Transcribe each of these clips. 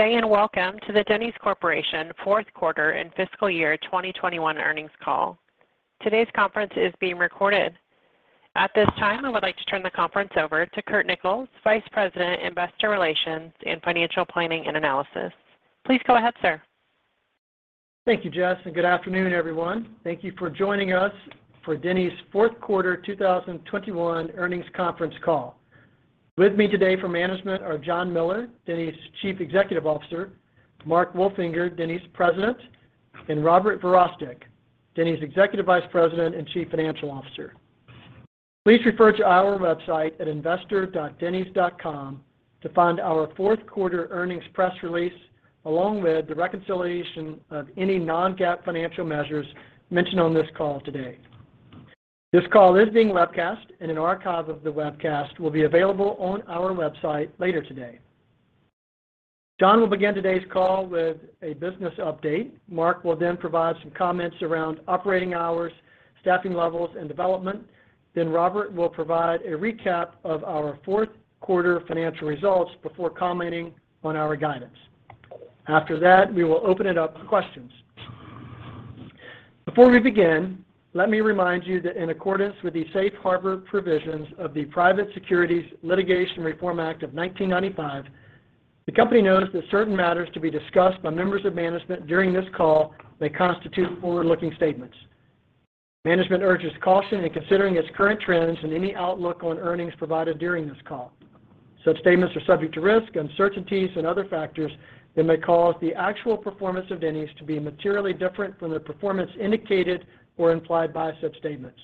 Hey, welcome to the Denny's Corporation fourth quarter and fiscal year 2021 earnings call. Today's conference is being recorded. At this time, I would like to turn the conference over to Curt Nichols, Vice President, Investor Relations and Financial Planning and Analysis. Please go ahead, sir. Thank you, Jess, and good afternoon, everyone. Thank you for joining us for Denny's fourth quarter 2021 earnings conference call. With me today from management are John Miller, Denny's Chief Executive Officer, Mark Wolfinger, Denny's President, and Robert Verostek, Denny's Executive Vice President and Chief Financial Officer. Please refer to our website at investor.dennys.com to find our fourth quarter earnings press release, along with the reconciliation of any non-GAAP financial measures mentioned on this call today. This call is being webcast, and an archive of the webcast will be available on our website later today. John will begin today's call with a business update. Mark will then provide some comments around operating hours, staffing levels, and development. Then Robert will provide a recap of our fourth quarter financial results before commenting on our guidance. After that, we will open it up to questions. Before we begin, let me remind you that in accordance with the safe harbor provisions of the Private Securities Litigation Reform Act of 1995, the company notes that certain matters to be discussed by members of management during this call may constitute forward-looking statements. Management urges caution in considering its current trends and any outlook on earnings provided during this call. Such statements are subject to risk, uncertainties, and other factors that may cause the actual performance of Denny's to be materially different from the performance indicated or implied by such statements.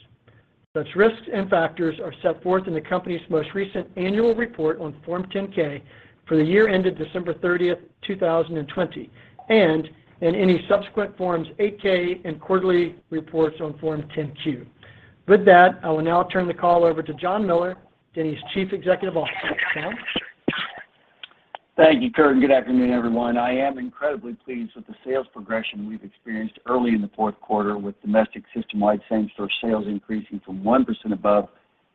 Such risks and factors are set forth in the company's most recent annual report on Form 10-K for the year ended December 30th, 2020, and in any subsequent Forms 8-K and quarterly reports on Form 10-Q. With that, I will now turn the call over to John Miller, Denny's Chief Executive Officer. John? Thank you, Curt, and good afternoon, everyone. I am incredibly pleased with the sales progression we've experienced early in the fourth quarter with domestic system-wide same-store sales increasing from 1% above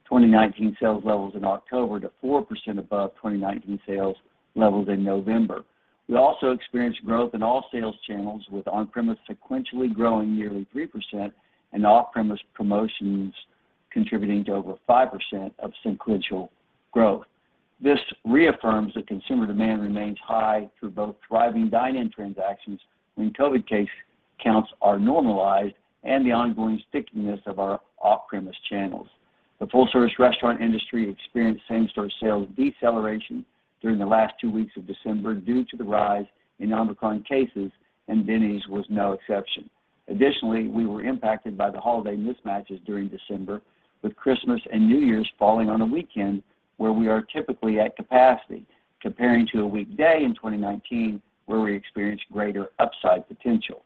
2019 sales levels in October to 4% above 2019 sales levels in November. We also experienced growth in all sales channels with on-premise sequentially growing nearly 3% and off-premise promotions contributing to over 5% of sequential growth. This reaffirms that consumer demand remains high through both thriving dine-in transactions when COVID case counts are normalized and the ongoing stickiness of our off-premise channels. The full-service restaurant industry experienced same-store sales deceleration during the last two weeks of December due to the rise in Omicron cases, and Denny's was no exception. Additionally, we were impacted by the holiday mismatches during December, with Christmas and New Year's falling on a weekend where we are typically at capacity, comparing to a weekday in 2019 where we experienced greater upside potential.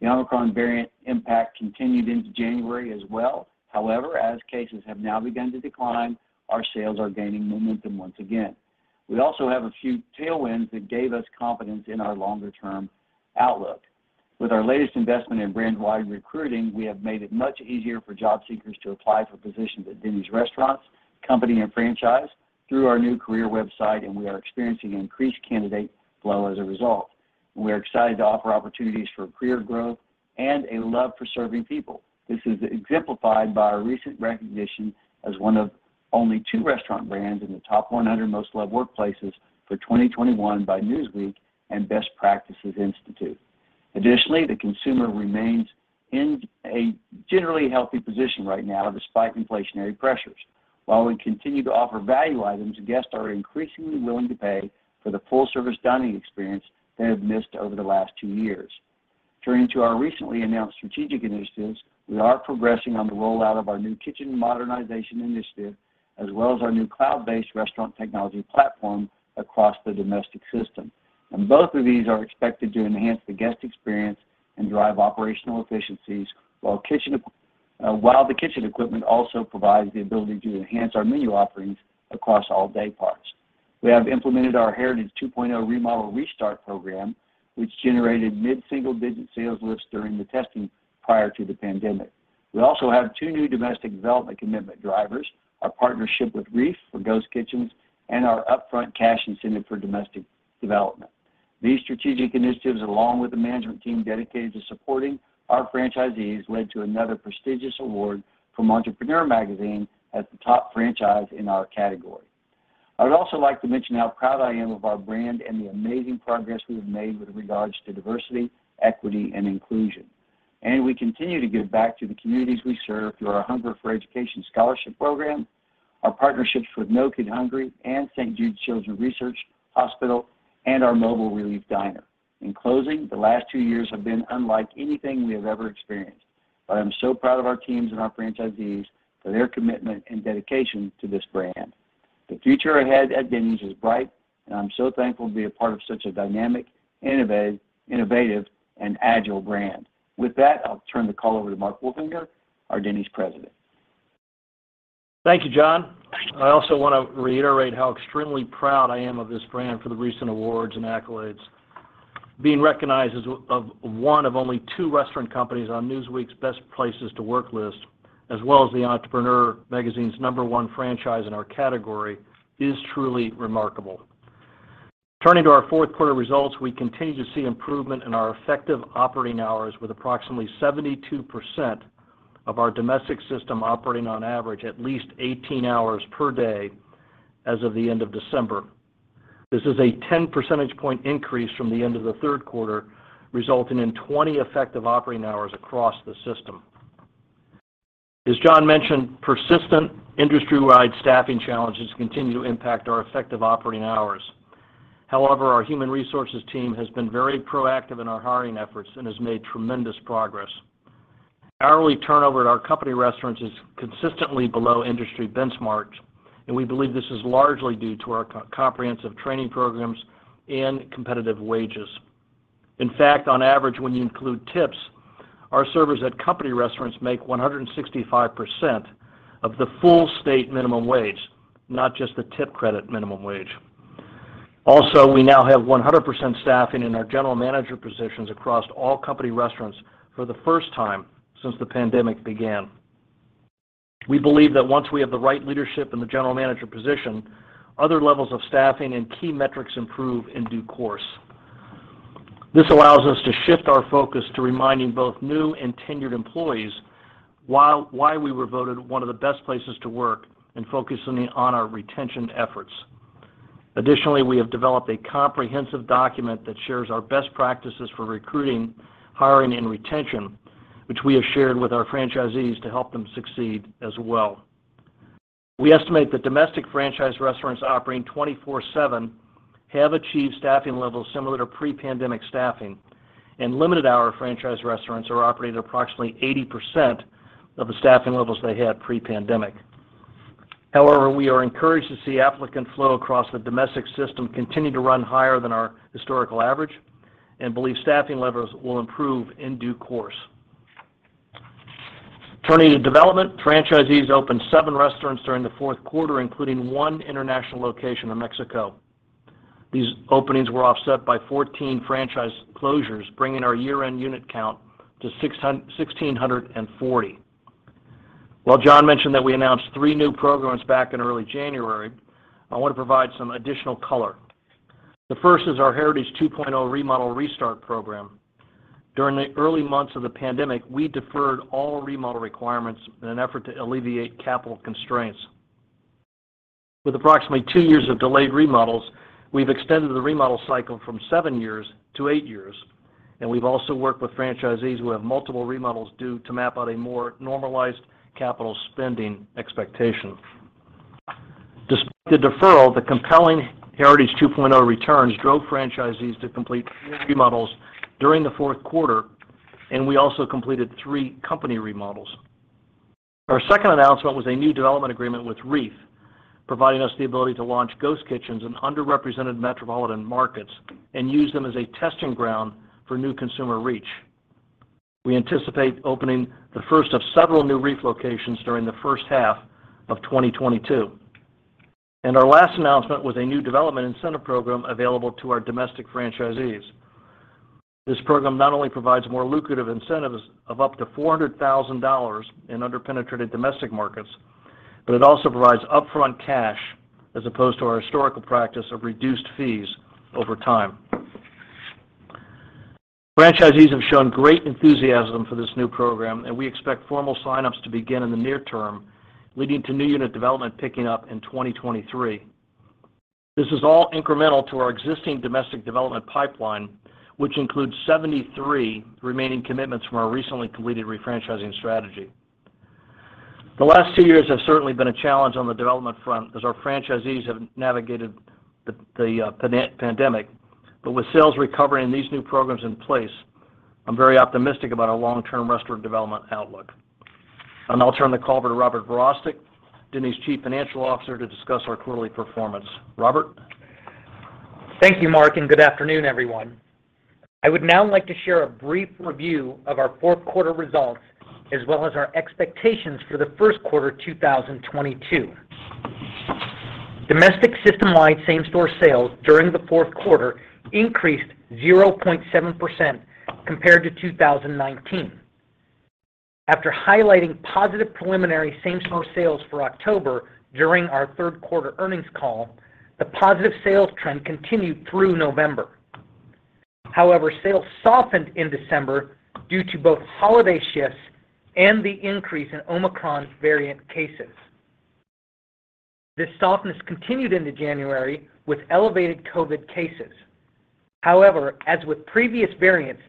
The Omicron variant impact continued into January as well. However, as cases have now begun to decline, our sales are gaining momentum once again. We also have a few tailwinds that gave us confidence in our longer-term outlook. With our latest investment in brand-wide recruiting, we have made it much easier for job seekers to apply for positions at Denny's restaurants, company, and franchise through our new career website, and we are experiencing increased candidate flow as a result. We are excited to offer opportunities for career growth and a love for serving people. This is exemplified by our recent recognition as one of only two restaurant brands in the top 100 most loved workplaces for 2021 by Newsweek and Best Practice Institute. Additionally, the consumer remains in a generally healthy position right now despite inflationary pressures. While we continue to offer value items, guests are increasingly willing to pay for the full-service dining experience they have missed over the last two years. Turning to our recently announced strategic initiatives, we are progressing on the rollout of our new kitchen modernization initiative as well as our new cloud-based restaurant technology platform across the domestic system. Both of these are expected to enhance the guest experience and drive operational efficiencies while the kitchen equipment also provides the ability to enhance our menu offerings across all day parts. We have implemented our Heritage 2.0 remodel restart program, which generated mid-single-digit sales lifts during the testing prior to the pandemic. We also have two new domestic development commitment drivers, our partnership with REEF for ghost kitchens and our upfront cash incentive for domestic development. These strategic initiatives, along with the management team dedicated to supporting our franchisees, led to another prestigious award from Entrepreneur as the top franchise in our category. I would also like to mention how proud I am of our brand and the amazing progress we have made with regards to diversity, equity, and inclusion. We continue to give back to the communities we serve through our Hungry for Education scholarship program, our partnerships with No Kid Hungry and St. Jude Children's Research Hospital, and our Mobile Relief Diner. In closing, the last two years have been unlike anything we have ever experienced, but I'm so proud of our teams and our franchisees for their commitment and dedication to this brand. The future ahead at Denny's is bright, and I'm so thankful to be a part of such a dynamic, innovative, and agile brand. With that, I'll turn the call over to Mark Wolfinger, our Denny's President. Thank you, John. I also want to reiterate how extremely proud I am of this brand for the recent awards and accolades. Being recognized as one of only two restaurant companies on Newsweek's Best Places to Work list, as well as the Entrepreneur magazine's number one franchise in our category is truly remarkable. Turning to our fourth quarter results, we continue to see improvement in our effective operating hours with approximately 72% of our domestic system operating on average at least 18 hours per day as of the end of December. This is a 10% point increase from the end of the third quarter, resulting in 20 effective operating hours across the system. As John mentioned, persistent industry-wide staffing challenges continue to impact our effective operating hours. However, our human resources team has been very proactive in our hiring efforts and has made tremendous progress. Hourly turnover at our company restaurants is consistently below industry benchmarks, and we believe this is largely due to our comprehensive training programs and competitive wages. In fact, on average, when you include tips, our servers at company restaurants make 165% of the full state minimum wage, not just the tip credit minimum wage. Also, we now have 100% staffing in our general manager positions across all company restaurants for the first time since the pandemic began. We believe that once we have the right leadership in the general manager position, other levels of staffing and key metrics improve in due course. This allows us to shift our focus to reminding both new and tenured employees why we were voted one of the best places to work and focusing on our retention efforts. Additionally, we have developed a comprehensive document that shares our best practices for recruiting, hiring, and retention, which we have shared with our franchisees to help them succeed as well. We estimate that domestic franchise restaurants operating 24/7 have achieved staffing levels similar to pre-pandemic staffing, and limited hour franchise restaurants are operating at approximately 80% of the staffing levels they had pre-pandemic. However, we are encouraged to see applicant flow across the domestic system continue to run higher than our historical average and believe staffing levels will improve in due course. Turning to development, franchisees opened seven restaurants during the fourth quarter, including one international location in Mexico. These openings were offset by 14 franchise closures, bringing our year-end unit count to 1,640. While John mentioned that we announced three new programs back in early January, I want to provide some additional color. The first is our Heritage 2.0 remodel restart program. During the early months of the pandemic, we deferred all remodel requirements in an effort to alleviate capital constraints. With approximately two years of delayed remodels, we've extended the remodel cycle from seven years to eight years, and we've also worked with franchisees who have multiple remodels due, to map out a more normalized capital spending expectation. Despite the deferral, the compelling Heritage 2.0 returns drove franchisees to complete remodels during the fourth quarter, and we also completed three company remodels. Our second announcement was a new development agreement with REEF, providing us the ability to launch ghost kitchens in underrepresented metropolitan markets and use them as a testing ground for new consumer reach. We anticipate opening the first of several new REEF locations during the first half of 2022. Our last announcement was a new development incentive program available to our domestic franchisees. This program not only provides more lucrative incentives of up to $400,000 in underpenetrated domestic markets, but it also provides upfront cash as opposed to our historical practice of reduced fees over time. Franchisees have shown great enthusiasm for this new program, and we expect formal sign-ups to begin in the near term, leading to new unit development picking up in 2023. This is all incremental to our existing domestic development pipeline, which includes 73 remaining commitments from our recently completed refranchising strategy. The last two years have certainly been a challenge on the development front as our franchisees have navigated the pandemic. With sales recovering and these new programs in place, I'm very optimistic about our long-term restaurant development outlook. I'll now turn the call over to Robert Verostek, Denny's Chief Financial Officer, to discuss our quarterly performance. Robert? Thank you, Mark, and good afternoon, everyone. I would now like to share a brief review of our fourth quarter results as well as our expectations for the first quarter 2022. Domestic system-wide same-store sales during the fourth quarter increased 0.7% compared to 2019. After highlighting positive preliminary same-store sales for October during our third quarter earnings call, the positive sales trend continued through November. However, sales softened in December due to both holiday shifts and the increase in Omicron variant cases. This softness continued into January with elevated COVID cases. However, as with previous variants,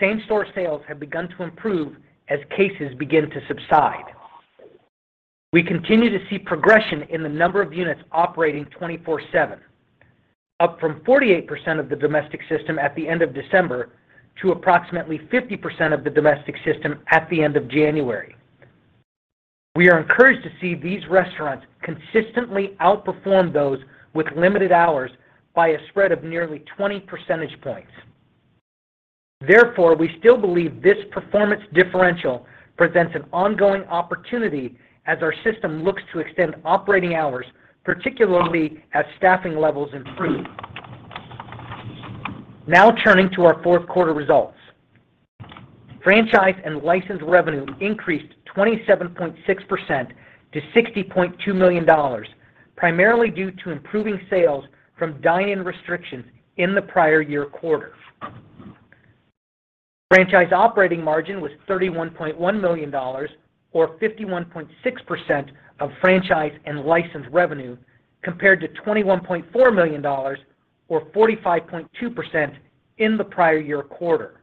same-store sales have begun to improve as cases begin to subside. We continue to see progression in the number of units operating 24/7, up from 48% of the domestic system at the end of December to approximately 50% of the domestic system at the end of January. We are encouraged to see these restaurants consistently outperform those with limited hours by a spread of nearly 20% points. Therefore, we still believe this performance differential presents an ongoing opportunity as our system looks to extend operating hours, particularly as staffing levels improve. Now turning to our fourth quarter results. Franchise and license revenue increased 27.6% to $60.2 million, primarily due to improving sales from dine-in restrictions in the prior year quarter. Franchise operating margin was $31.1 million or 51.6% of franchise and license revenue compared to $21.4 million or 45.2% in the prior year quarter.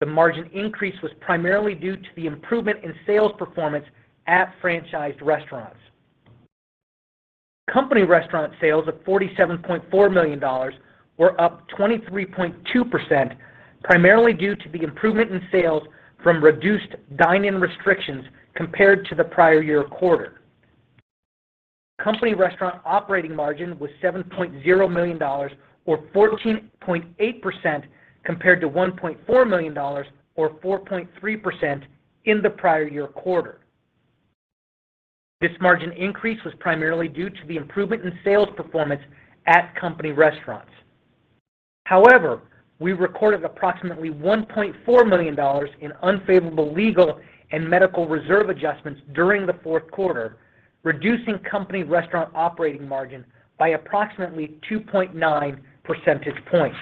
The margin increase was primarily due to the improvement in sales performance at franchised restaurants. Company restaurant sales of $47.4 million were up 23.2%, primarily due to the improvement in sales from reduced dine-in restrictions compared to the prior year quarter. Company restaurant operating margin was $7.0 million or 14.8% compared to $1.4 million or 4.3% in the prior year quarter. This margin increase was primarily due to the improvement in sales performance at company restaurants. However, we recorded approximately $1.4 million in unfavorable legal and medical reserve adjustments during the fourth quarter, reducing company restaurant operating margin by approximately 2.9% points.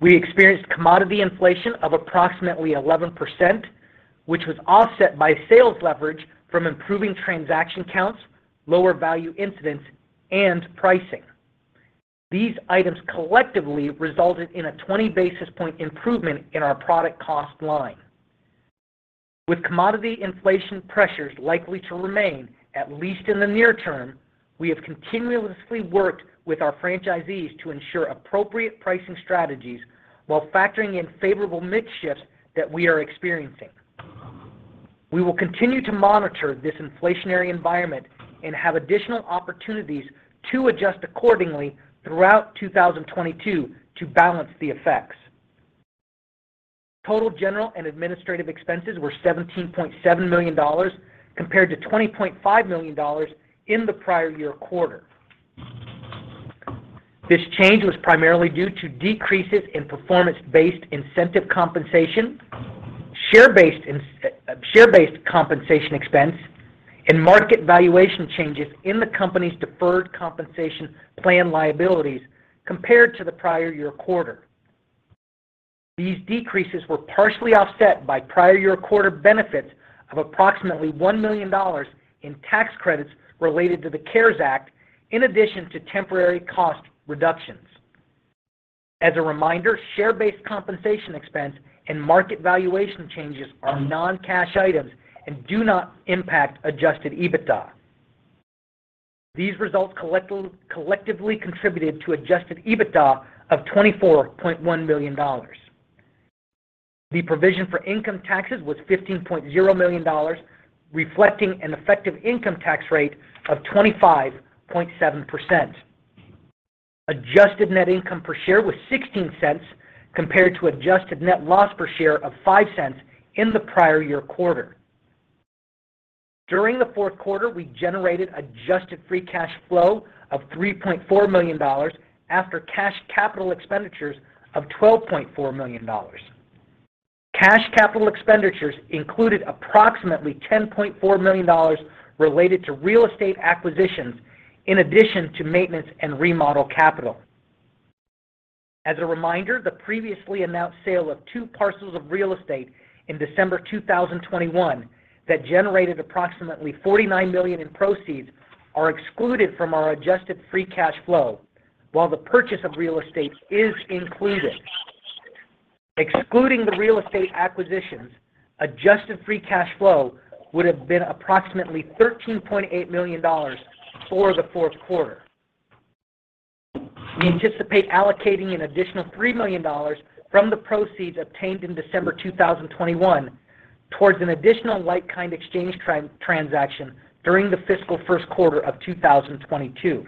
We experienced commodity inflation of approximately 11%, which was offset by sales leverage from improving transaction counts, lower value incidents, and pricing. These items collectively resulted in a 20 basis point improvement in our product cost line. With commodity inflation pressures likely to remain, at least in the near term, we have continuously worked with our franchisees to ensure appropriate pricing strategies while factoring in favorable mix shifts that we are experiencing. We will continue to monitor this inflationary environment and have additional opportunities to adjust accordingly throughout 2022 to balance the effects. Total general and administrative expenses were $17.7 million compared to $20.5 million in the prior year quarter. This change was primarily due to decreases in performance-based incentive compensation, share-based compensation expense, and market valuation changes in the company's deferred compensation plan liabilities compared to the prior year quarter. These decreases were partially offset by prior year quarter benefits of approximately $1 million in tax credits related to the CARES Act, in addition to temporary cost reductions. As a reminder, share-based compensation expense and market valuation changes are non-cash items and do not impact adjusted EBITDA. These results collectively contributed to adjusted EBITDA of $24.1 million. The provision for income taxes was $15.0 million, reflecting an effective income tax rate of 25.7%. Adjusted net income per share was $0.16 compared to adjusted net loss per share of $0.05 in the prior year quarter. During the fourth quarter, we generated adjusted free cash flow of $3.4 million after cash capital expenditures of $12.4 million. Cash capital expenditures included approximately $10.4 million related to real estate acquisitions in addition to maintenance and remodel capital. As a reminder, the previously announced sale of two parcels of real estate in December 2021 that generated approximately $49 million in proceeds is excluded from our adjusted free cash flow, while the purchase of real estate is included. Excluding the real estate acquisitions, adjusted free cash flow would have been approximately $13.8 million for the fourth quarter. We anticipate allocating an additional $3 million from the proceeds obtained in December 2021 towards an additional like-kind exchange transaction during the fiscal first quarter of 2022.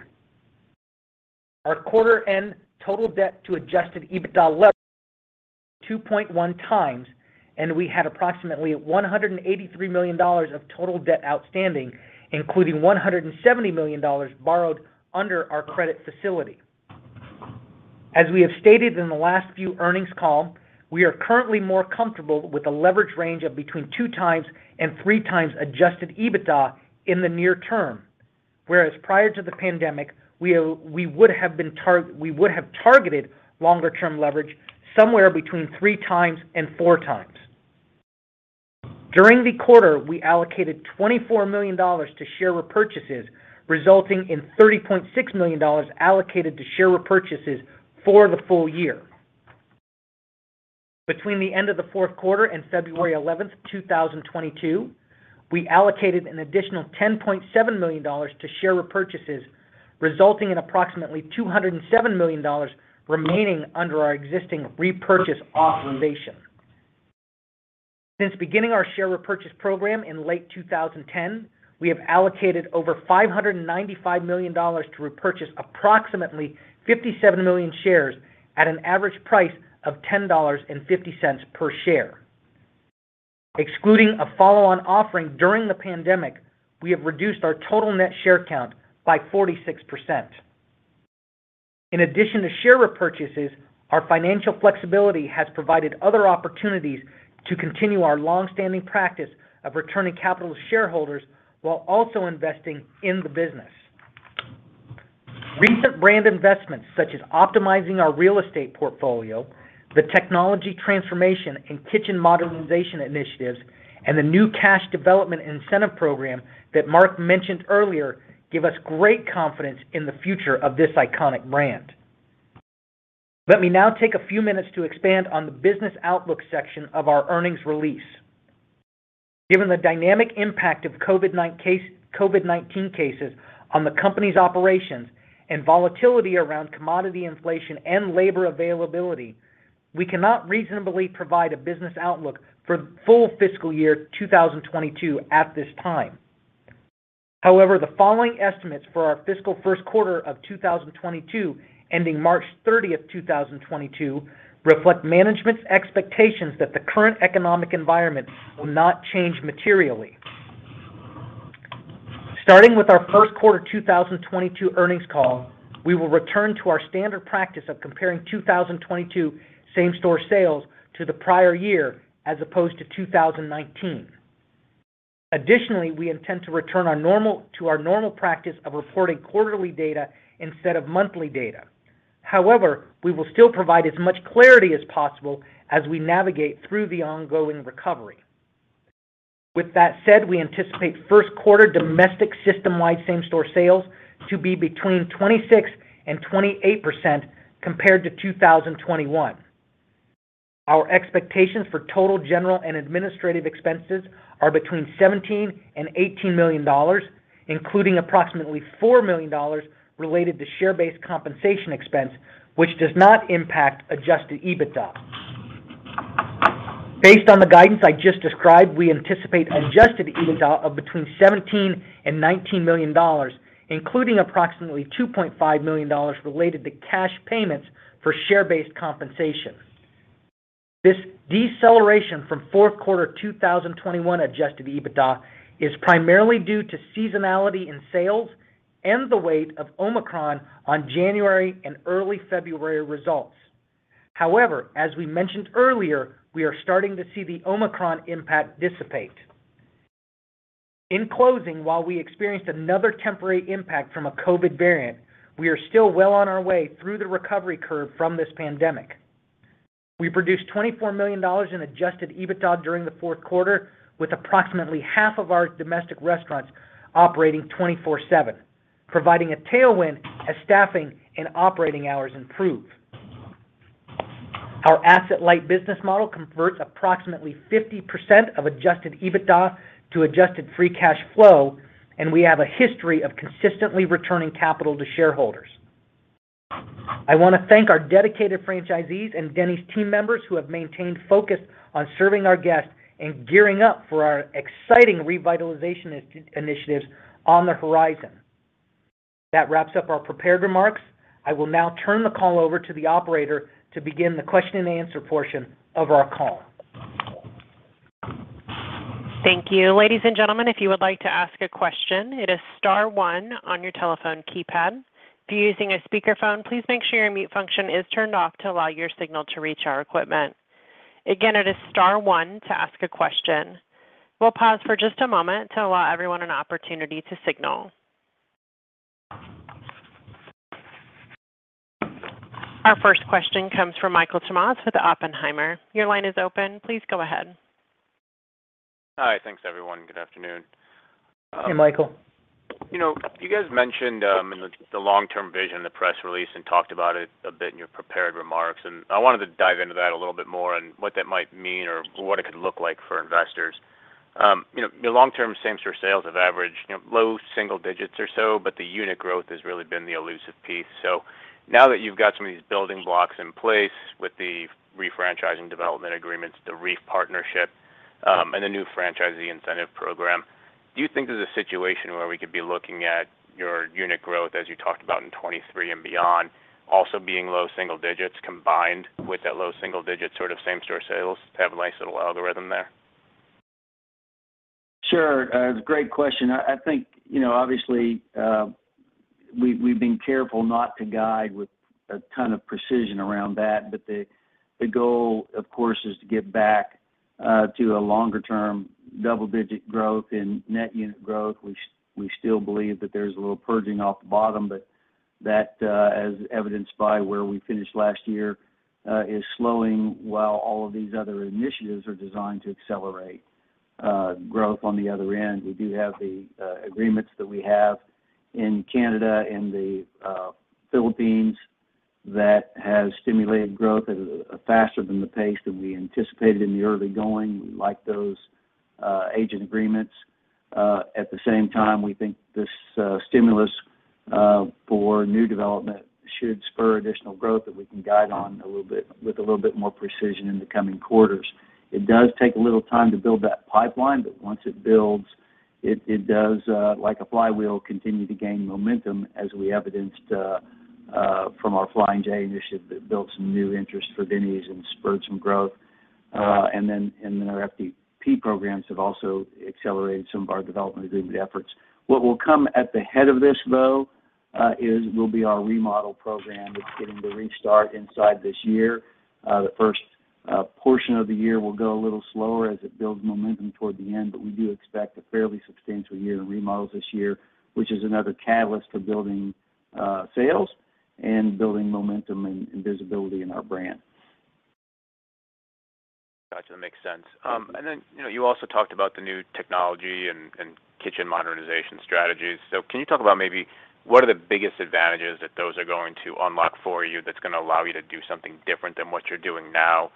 Our quarter-end total debt to adjusted EBITDA level was 2.1x, and we had approximately $183 million of total debt outstanding, including $170 million borrowed under our credit facility. As we have stated in the last few earnings calls, we are currently more comfortable with a leverage range of between 2x and 3x adjusted EBITDA in the near term, whereas prior to the pandemic, we would have targeted longer-term leverage somewhere between 3x and 4x. During the quarter, we allocated $24 million to share repurchases, resulting in $30.6 million allocated to share repurchases for the full year. Between the end of the fourth quarter and February 11th, 2022, we allocated an additional $10.7 million to share repurchases, resulting in approximately $207 million remaining under our existing repurchase authorization. Since beginning our share repurchase program in late 2010, we have allocated over $595 million to repurchase approximately 57 million shares at an average price of $10.50 per share. Excluding a follow-on offering during the pandemic, we have reduced our total net share count by 46%. In addition to share repurchases, our financial flexibility has provided other opportunities to continue our long-standing practice of returning capital to shareholders while also investing in the business. Recent brand investments such as optimizing our real estate portfolio, the technology transformation and kitchen modernization initiatives, and the new cash development incentive program that Mark mentioned earlier, give us great confidence in the future of this iconic brand. Let me now take a few minutes to expand on the business outlook section of our earnings release. Given the dynamic impact of COVID-19 cases on the company's operations and volatility around commodity inflation and labor availability, we cannot reasonably provide a business outlook for full fiscal year 2022 at this time. However, the following estimates for our fiscal first quarter of 2022 ending March 30th, 2022 reflect management's expectations that the current economic environment will not change materially. Starting with our first quarter 2022 earnings call, we will return to our standard practice of comparing 2022 same-store sales to the prior year as opposed to 2019. Additionally, we intend to return to our normal practice of reporting quarterly data instead of monthly data. However, we will still provide as much clarity as possible as we navigate through the ongoing recovery. With that said, we anticipate first quarter domestic system-wide same-store sales to be between 26%-28% compared to 2021. Our expectations for total general and administrative expenses are between $17 million and $18 million, including approximately $4 million related to share-based compensation expense, which does not impact adjusted EBITDA. Based on the guidance I just described, we anticipate adjusted EBITDA of between $17 million and $19 million, including approximately $2.5 million related to cash payments for share-based compensation. This deceleration from fourth quarter 2021 adjusted EBITDA is primarily due to seasonality in sales and the weight of Omicron on January and early February results. However, as we mentioned earlier, we are starting to see the Omicron impact dissipate. In closing, while we experienced another temporary impact from a COVID variant, we are still well on our way through the recovery curve from this pandemic. We produced $24 million in adjusted EBITDA during the fourth quarter, with approximately half of our domestic restaurants operating 24/7, providing a tailwind as staffing and operating hours improve. Our asset-light business model converts approximately 50% of adjusted EBITDA to adjusted free cash flow, and we have a history of consistently returning capital to shareholders. I want to thank our dedicated franchisees and Denny's team members who have maintained focus on serving our guests and gearing up for our exciting revitalization initiatives on the horizon. That wraps up our prepared remarks. I will now turn the call over to the operator to begin the question and answer portion of our call. Thank you. Ladies and gentlemen, if you would like to ask a question, it is star one on your telephone keypad. If you're using a speakerphone, please make sure your mute function is turned off to allow your signal to reach our equipment. Again, it is star one to ask a question. We'll pause for just a moment to allow everyone an opportunity to signal. Our first question comes from Michael Tamas with Oppenheimer. Your line is open. Please go ahead. Hi. Thanks, everyone. Good afternoon. Hey, Michael. You know, you guys mentioned in the long-term vision in the press release and talked about it a bit in your prepared remarks, and I wanted to dive into that a little bit more and what that might mean or what it could look like for investors. You know, your long-term same-store sales have averaged, you know, low single digits or so, but the unit growth has really been the elusive piece. Now that you've got some of these building blocks in place with the refranchising development agreements, the REEF partnership, and the new franchisee incentive program, do you think there's a situation where we could be looking at your unit growth as you talked about in 2023 and beyond, also being low single digits combined with that low single digit sort of same-store sales to have a nice little algorithm there? Sure. A great question. I think, you know, obviously, we've been careful not to guide with a ton of precision around that, but the goal, of course, is to get back to a longer term double-digit growth in net unit growth. We still believe that there's a little purging off the bottom, but that, as evidenced by where we finished last year, is slowing while all of these other initiatives are designed to accelerate growth on the other end. We do have the agreements that we have in Canada and the Philippines that has stimulated growth at a faster than the pace that we anticipated in the early going. We like those. Agent agreements. At the same time, we think this stimulus for new development should spur additional growth that we can guide on a little bit, with a little bit more precision in the coming quarters. It does take a little time to build that pipeline, but once it builds, it does like a flywheel continue to gain momentum as we evidenced from our Flying J initiative that built some new interest for Denny's and spurred some growth. Our FDP programs have also accelerated some of our development agreement efforts. What will come at the head of this though will be our remodel program that's getting the restart inside this year. The first portion of the year will go a little slower as it builds momentum toward the end, but we do expect a fairly substantial year in remodels this year, which is another catalyst for building sales and building momentum and visibility in our brand. Gotcha, makes sense. You know, you also talked about the new technology and kitchen modernization strategies. Can you talk about maybe what are the biggest advantages that those are going to unlock for you that's gonna allow you to do something different than what you're doing now?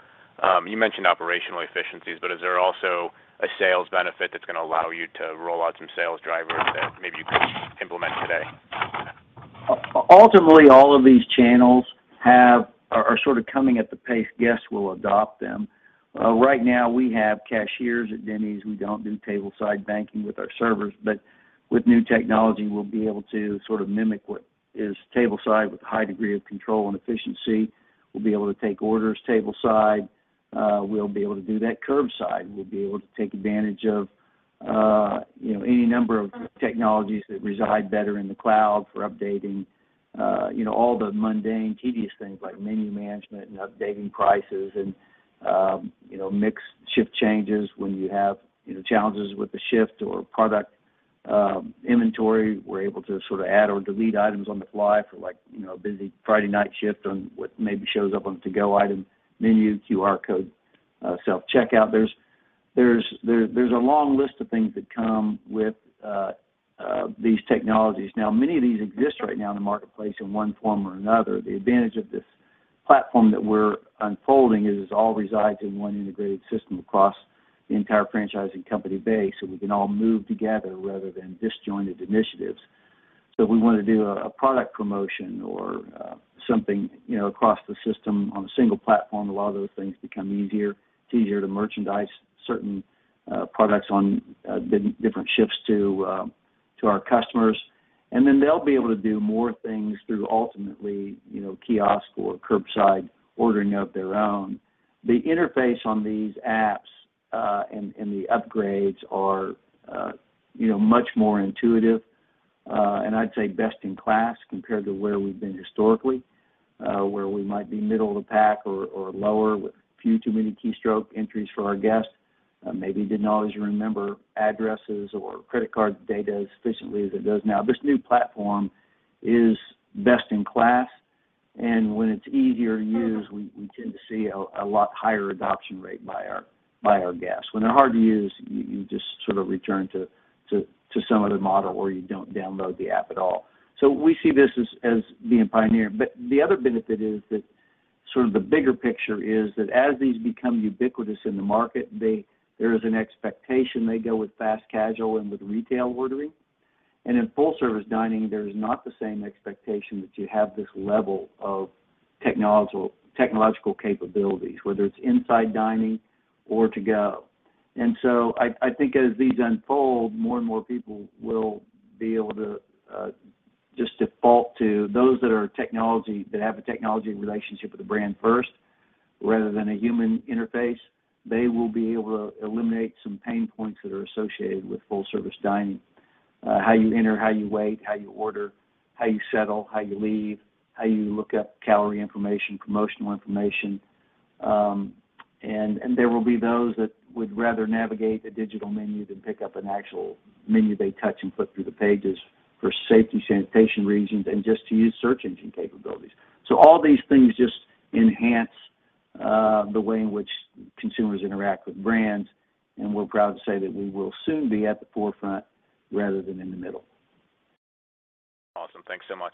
You mentioned operational efficiencies, but is there also a sales benefit that's gonna allow you to roll out some sales drivers that maybe you couldn't implement today? Ultimately, all of these channels are sort of coming at the pace guests will adopt them. Right now we have cashiers at Denny's. We don't do tableside banking with our servers. But with new technology, we'll be able to sort of mimic what is tableside with a high degree of control and efficiency. We'll be able to take orders tableside. We'll be able to do that curbside. We'll be able to take advantage of, you know, any number of technologies that reside better in the cloud for updating, you know, all the mundane, tedious things like menu management and updating prices and, you know, mixed shift changes when you have, you know, challenges with the shift or product inventory. We're able to sort of add or delete items on the fly for like, you know, a busy Friday night shift and what maybe shows up on to-go item menu, QR code, self-checkout. There's a long list of things that come with these technologies. Now, many of these exist right now in the marketplace in one form or another. The advantage of this platform that we're unfolding is it all resides in one integrated system across the entire franchising company base, so we can all move together rather than disjointed initiatives. If we wanna do a product promotion or something, you know, across the system on a single platform, a lot of those things become easier. It's easier to merchandise certain products on different shifts to our customers. They'll be able to do more things through ultimately, you know, kiosk or curbside ordering of their own. The interface on these apps, and the upgrades are, you know, much more intuitive, and I'd say best in class compared to where we've been historically, where we might be middle of the pack or lower with a few too many keystroke entries for our guests, maybe didn't always remember addresses or credit card data as efficiently as it does now. This new platform is best in class, and when it's easier to use, we tend to see a lot higher adoption rate by our guests. When they're hard to use, you just sort of return to some other model, or you don't download the app at all. We see this as being pioneering. The other benefit is that sort of the bigger picture is that as these become ubiquitous in the market, there is an expectation they go with fast casual and with retail ordering. In full-service dining, there is not the same expectation that you have this level of technological capabilities, whether it's inside dining or to go. I think as these unfold, more and more people will be able to just default to those that have a technology relationship with the brand first rather than a human interface. They will be able to eliminate some pain points that are associated with full-service dining, how you enter, how you wait, how you order, how you settle, how you leave, how you look up calorie information, promotional information. There will be those that would rather navigate a digital menu than pick up an actual menu they touch and flip through the pages for safety, sanitation reasons and just to use search engine capabilities. All these things just enhance the way in which consumers interact with brands, and we're proud to say that we will soon be at the forefront rather than in the middle. Awesome. Thanks so much.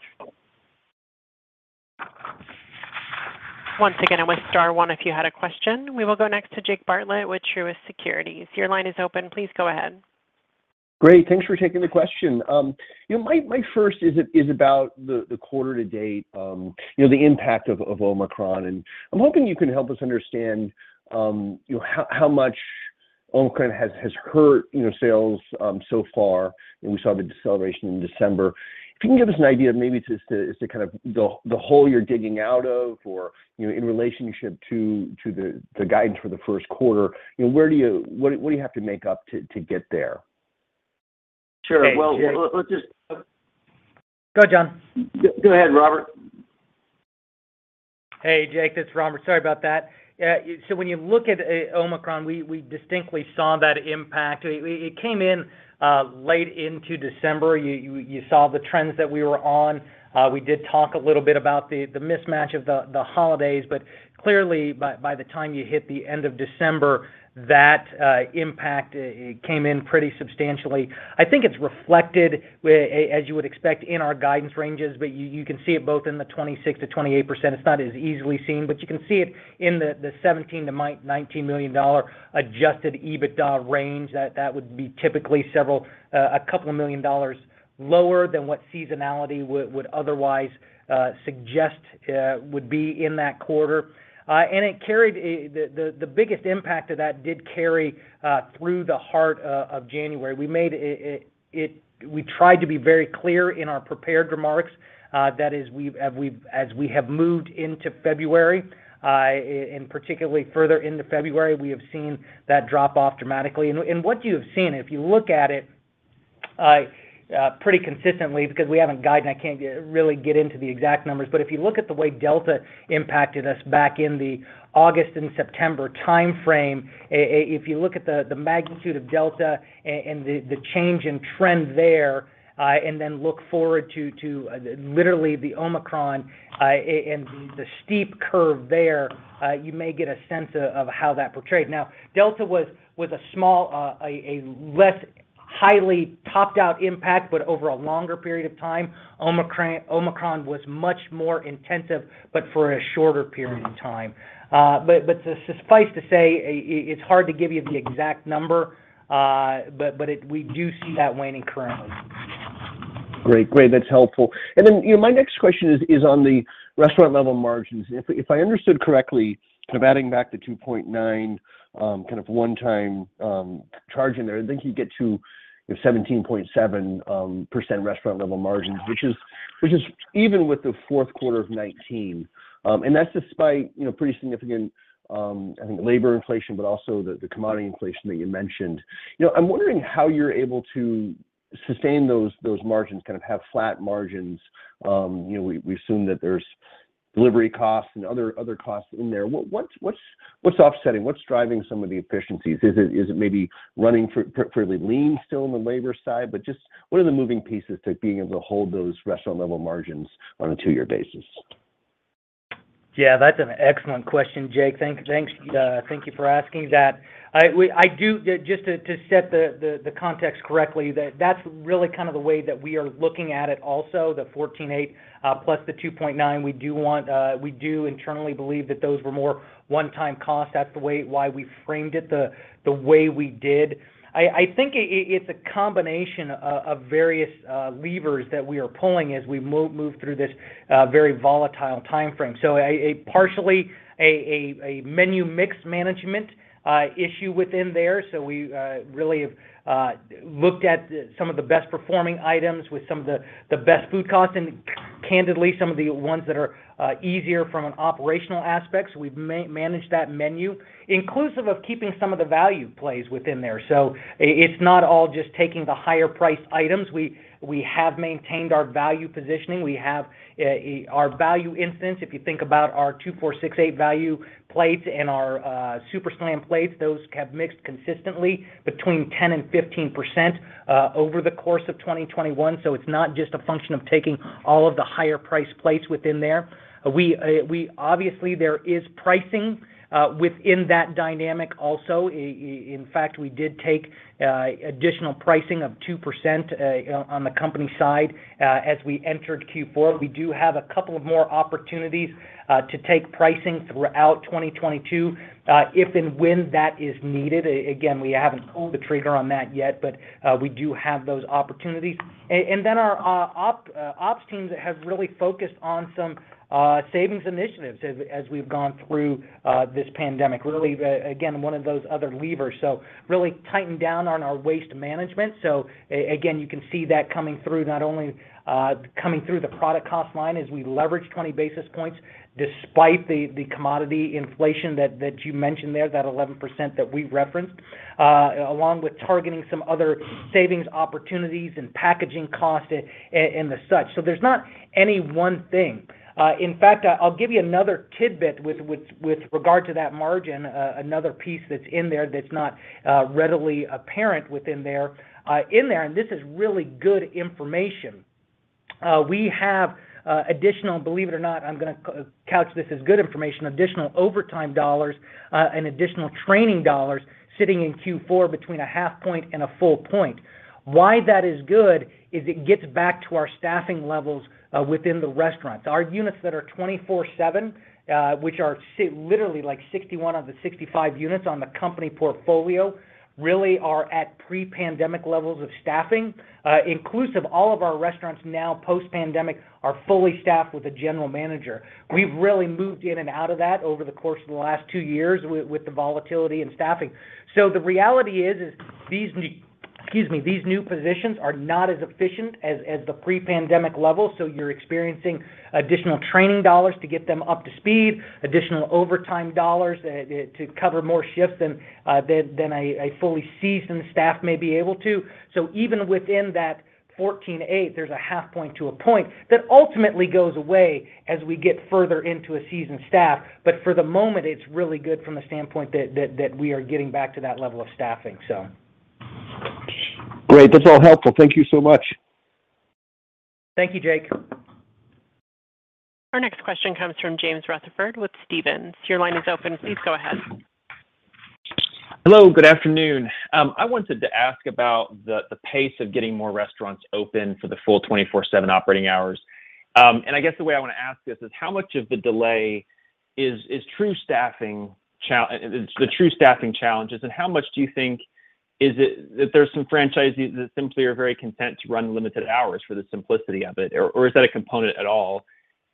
Once again, it was star one if you had a question. We will go next to Jake Bartlett with Truist Securities. Your line is open. Please go ahead. Great. Thanks for taking the question. You know, my first is about the quarter to date, you know, the impact of Omicron. I'm hoping you can help us understand, you know, how much Omicron has hurt, you know, sales so far. We saw the deceleration in December. If you can give us an idea of maybe just as to kind of the hole you're digging out of or, you know, in relationship to the guidance for the first quarter. You know, where do you, what do you have to make up to get there? Sure. Well, let's just- Go, John. Go ahead, Robert. Hey, Jake, it's Robert. Sorry about that. Yeah, so when you look at Omicron, we distinctly saw that impact. It came in late into December. You saw the trends that we were on. We did talk a little bit about the mismatch of the holidays. Clearly by the time you hit the end of December, that impact came in pretty substantially. I think it's reflected as you would expect in our guidance ranges, but you can see it both in the 26%-28%. It's not as easily seen, but you can see it in the $17 million-$19 million adjusted EBITDA range. That would be typically several, a couple of million dollars lower than what seasonality would otherwise suggest would be in that quarter. It carried the biggest impact of that through the heart of January. We tried to be very clear in our prepared remarks as we have moved into February and particularly further into February, we have seen that drop off dramatically. What you have seen, if you look at it, pretty consistently because we haven't guided, I can't really get into the exact numbers. If you look at the way Delta impacted us back in the August and September timeframe, if you look at the magnitude of Delta and the change in trend there, and then look forward to literally the Omicron and the steep curve there, you may get a sense of how that portrayed. Now, Delta was a small, less highly topped out impact, but over a longer period of time. Omicron was much more intensive, but for a shorter period of time. Suffice to say, it's hard to give you the exact number, but we do see that waning currently. Great. That's helpful. Then, you know, my next question is on the restaurant level margins. If I understood correctly, kind of adding back the 2.9%, kind of one time charge in there, I think you get to your 17.7% restaurant level margins, which is even with the fourth quarter of 2019. That's despite, you know, pretty significant, I think labor inflation, but also the commodity inflation that you mentioned. You know, I'm wondering how you're able to sustain those margins, kind of have flat margins. You know, we assume that there's delivery costs and other costs in there. What's offsetting? What's driving some of the efficiencies? Is it maybe running pretty lean still on the labor side? Just what are the moving pieces to being able to hold those restaurant-level margins on a two-year basis? Yeah, that's an excellent question, Jake. Thank you for asking that. Just to set the context correctly, that's really kind of the way that we are looking at it also, the %14.8 plus the %2.9. We do internally believe that those were more one-time costs. That's why we framed it the way we did. I think it's a combination of various levers that we are pulling as we move through this very volatile time frame. Partially, a menu mix management issue within there. We really have looked at some of the best performing items with some of the best food costs and candidly, some of the ones that are easier from an operational aspect. We've managed that menu inclusive of keeping some of the value plays within there. It's not all just taking the higher priced items. We have maintained our value positioning. We have our value stance. If you think about our $2 $4 $6 $8 value plates and our Super Slam plates, those have mixed consistently between 10%-15% over the course of 2021. It's not just a function of taking all of the higher priced plates within there. Obviously, there is pricing within that dynamic also. In fact, we did take additional pricing of 2% on the company side as we entered Q4. We do have a couple of more opportunities to take pricing throughout 2022 if and when that is needed. Again, we haven't pulled the trigger on that yet, but we do have those opportunities. Then our ops teams have really focused on some savings initiatives as we've gone through this pandemic. Really, again, one of those other levers. Really tightened down on our waste management. Again, you can see that coming through, not only coming through the product cost line as we leverage 20 basis points despite the commodity inflation that you mentioned there, that 11% that we referenced, along with targeting some other savings opportunities and packaging costs and the such. There's not any one thing. In fact, I'll give you another tidbit with regard to that margin, another piece that's in there that's not readily apparent in there, and this is really good information. We have additional, believe it or not, I'm gonna couch this as good information, additional overtime dollars and additional training dollars sitting in Q4 between a half point and a full point. Why that is good is it gets back to our staffing levels within the restaurants. Our units that are 24/7, which are literally like 61 of the 65 units on the company portfolio, really are at pre-pandemic levels of staffing. Including all of our restaurants now post-pandemic are fully staffed with a general manager. We've really moved in and out of that over the course of the last two years with the volatility in staffing. Excuse me, these new positions are not as efficient as the pre-pandemic level, so you're experiencing additional training dollars to get them up to speed, additional overtime dollars to cover more shifts than a fully seasoned staff may be able to. Even within that 14.8%, there's a half point to a point that ultimately goes away as we get further into a seasoned staff. But for the moment, it's really good from the standpoint that we are getting back to that level of staffing. Great. That's all helpful. Thank you so much. Thank you, Jake. Our next question comes from James Rutherford with Stephens. Your line is open. Please go ahead. Hello. Good afternoon. I wanted to ask about the pace of getting more restaurants open for the full 24/7 operating hours. I guess the way I wanna ask this is how much of the delay is true staffing challenges, and how much do you think is it that there's some franchisees that simply are very content to run limited hours for the simplicity of it, or is that a component at all?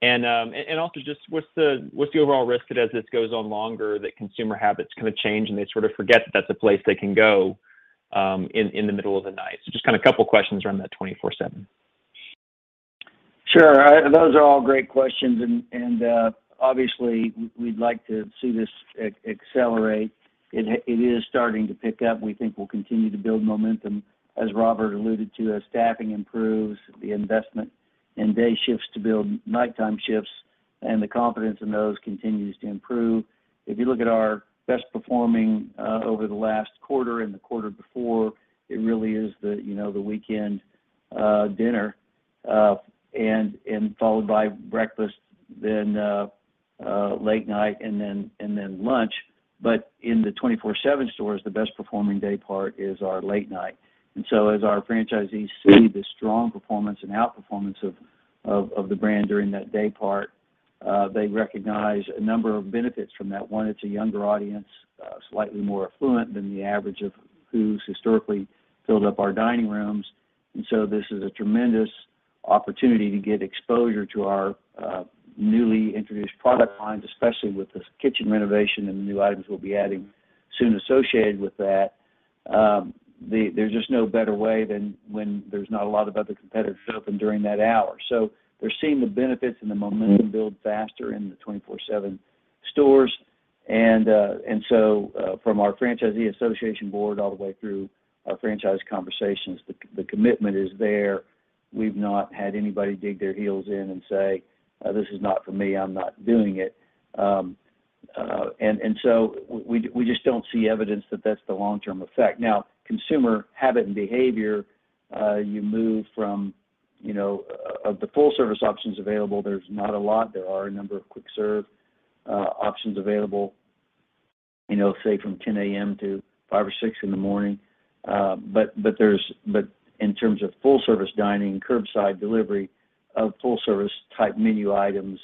Also just what's the overall risk that as this goes on longer, that consumer habits kinda change, and they sort of forget that that's a place they can go in the middle of the night. Just kinda couple questions around that 24/7. Sure. Those are all great questions and obviously we'd like to see this accelerate. It is starting to pick up. We think we'll continue to build momentum. As Robert alluded to, as staffing improves, the investment in day shifts to build nighttime shifts, and the confidence in those continues to improve. If you look at our best performing over the last quarter and the quarter before, it really is you know the weekend dinner and followed by breakfast, then late night, and then lunch. But in the 24/7 stores, the best performing day part is our late night. As our franchisees see the strong performance and outperformance of the brand during that day part, they recognize a number of benefits from that. One, it's a younger audience, slightly more affluent than the average of who's historically filled up our dining rooms. This is a tremendous opportunity to get exposure to our, newly introduced product lines, especially with this kitchen renovation and the new items we'll be adding soon associated with that. There's just no better way than when there's not a lot of other competitors open during that hour. They're seeing the benefits and the momentum build faster in the 24/7 stores. From our franchisee association board all the way through our franchise conversations, the commitment is there. We've not had anybody dig their heels in and say, "This is not for me. I'm not doing it." We just don't see evidence that that's the long-term effect. Now, consumer habits and behavior. Of the full-service options available, there's not a lot. There are a number of quick-serve options available, you know, say from 10:00 A.M. to 5:00 A.M. or 6:00 A.M. in the morning. But in terms of full-service dining, curbside delivery of full-service type menu items,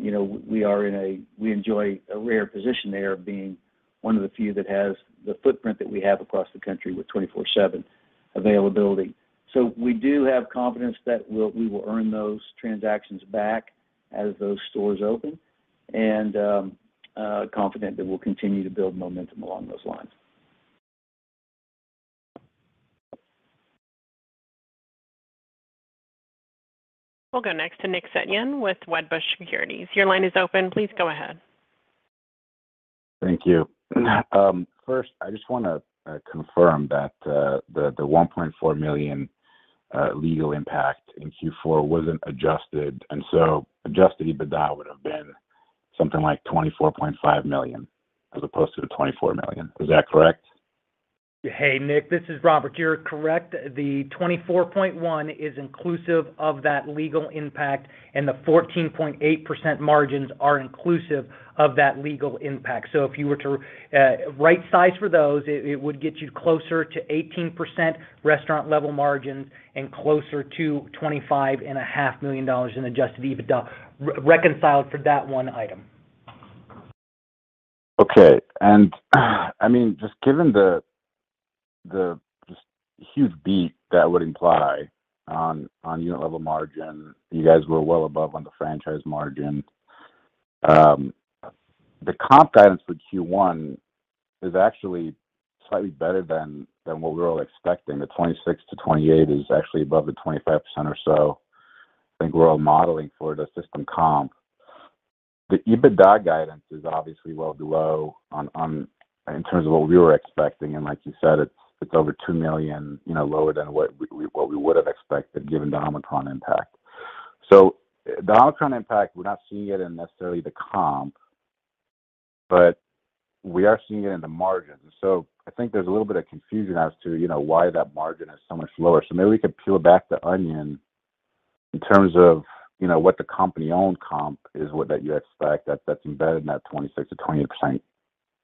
you know, we enjoy a rare position there of being one of the few that has the footprint that we have across the country with 24/7 availability. We do have confidence that we will earn those transactions back as those stores open and confident that we'll continue to build momentum along those lines. We'll go next to Nick Setyan with Wedbush Securities. Your line is open. Please go ahead. Thank you. First, I just wanna confirm that the $1.4 million legal impact in Q4 wasn't adjusted, and so adjusted EBITDA would have been something like $24.5 million as opposed to the $24 million. Is that correct? Hey, Nick. This is Robert. You're correct. The 24.1% is inclusive of that legal impact, and the 14.8% margins are inclusive of that legal impact. If you were to right size for those, it would get you closer to 18% restaurant level margins and closer to $25.5 million in adjusted EBITDA reconciled for that one item. Okay. I mean, just given the huge beat that would imply on unit level margin, you guys were well above on the franchise margin. The comp guidance for Q1 is actually slightly better than what we're all expecting. The 26%-28% is actually above the 25% or so I think we're all modeling for the system comp. The EBITDA guidance is obviously well below in terms of what we were expecting, and like you said, it's over $2 million, you know, lower than what we would have expected given the Omicron impact. The Omicron impact, we're not seeing it in necessarily the comp, but we are seeing it in the margins. I think there's a little bit of confusion as to, you know, why that margin is so much lower. Maybe we could peel back the onion in terms of, you know, what the company-owned comp is, what you expect, that's embedded in that 26%-28%,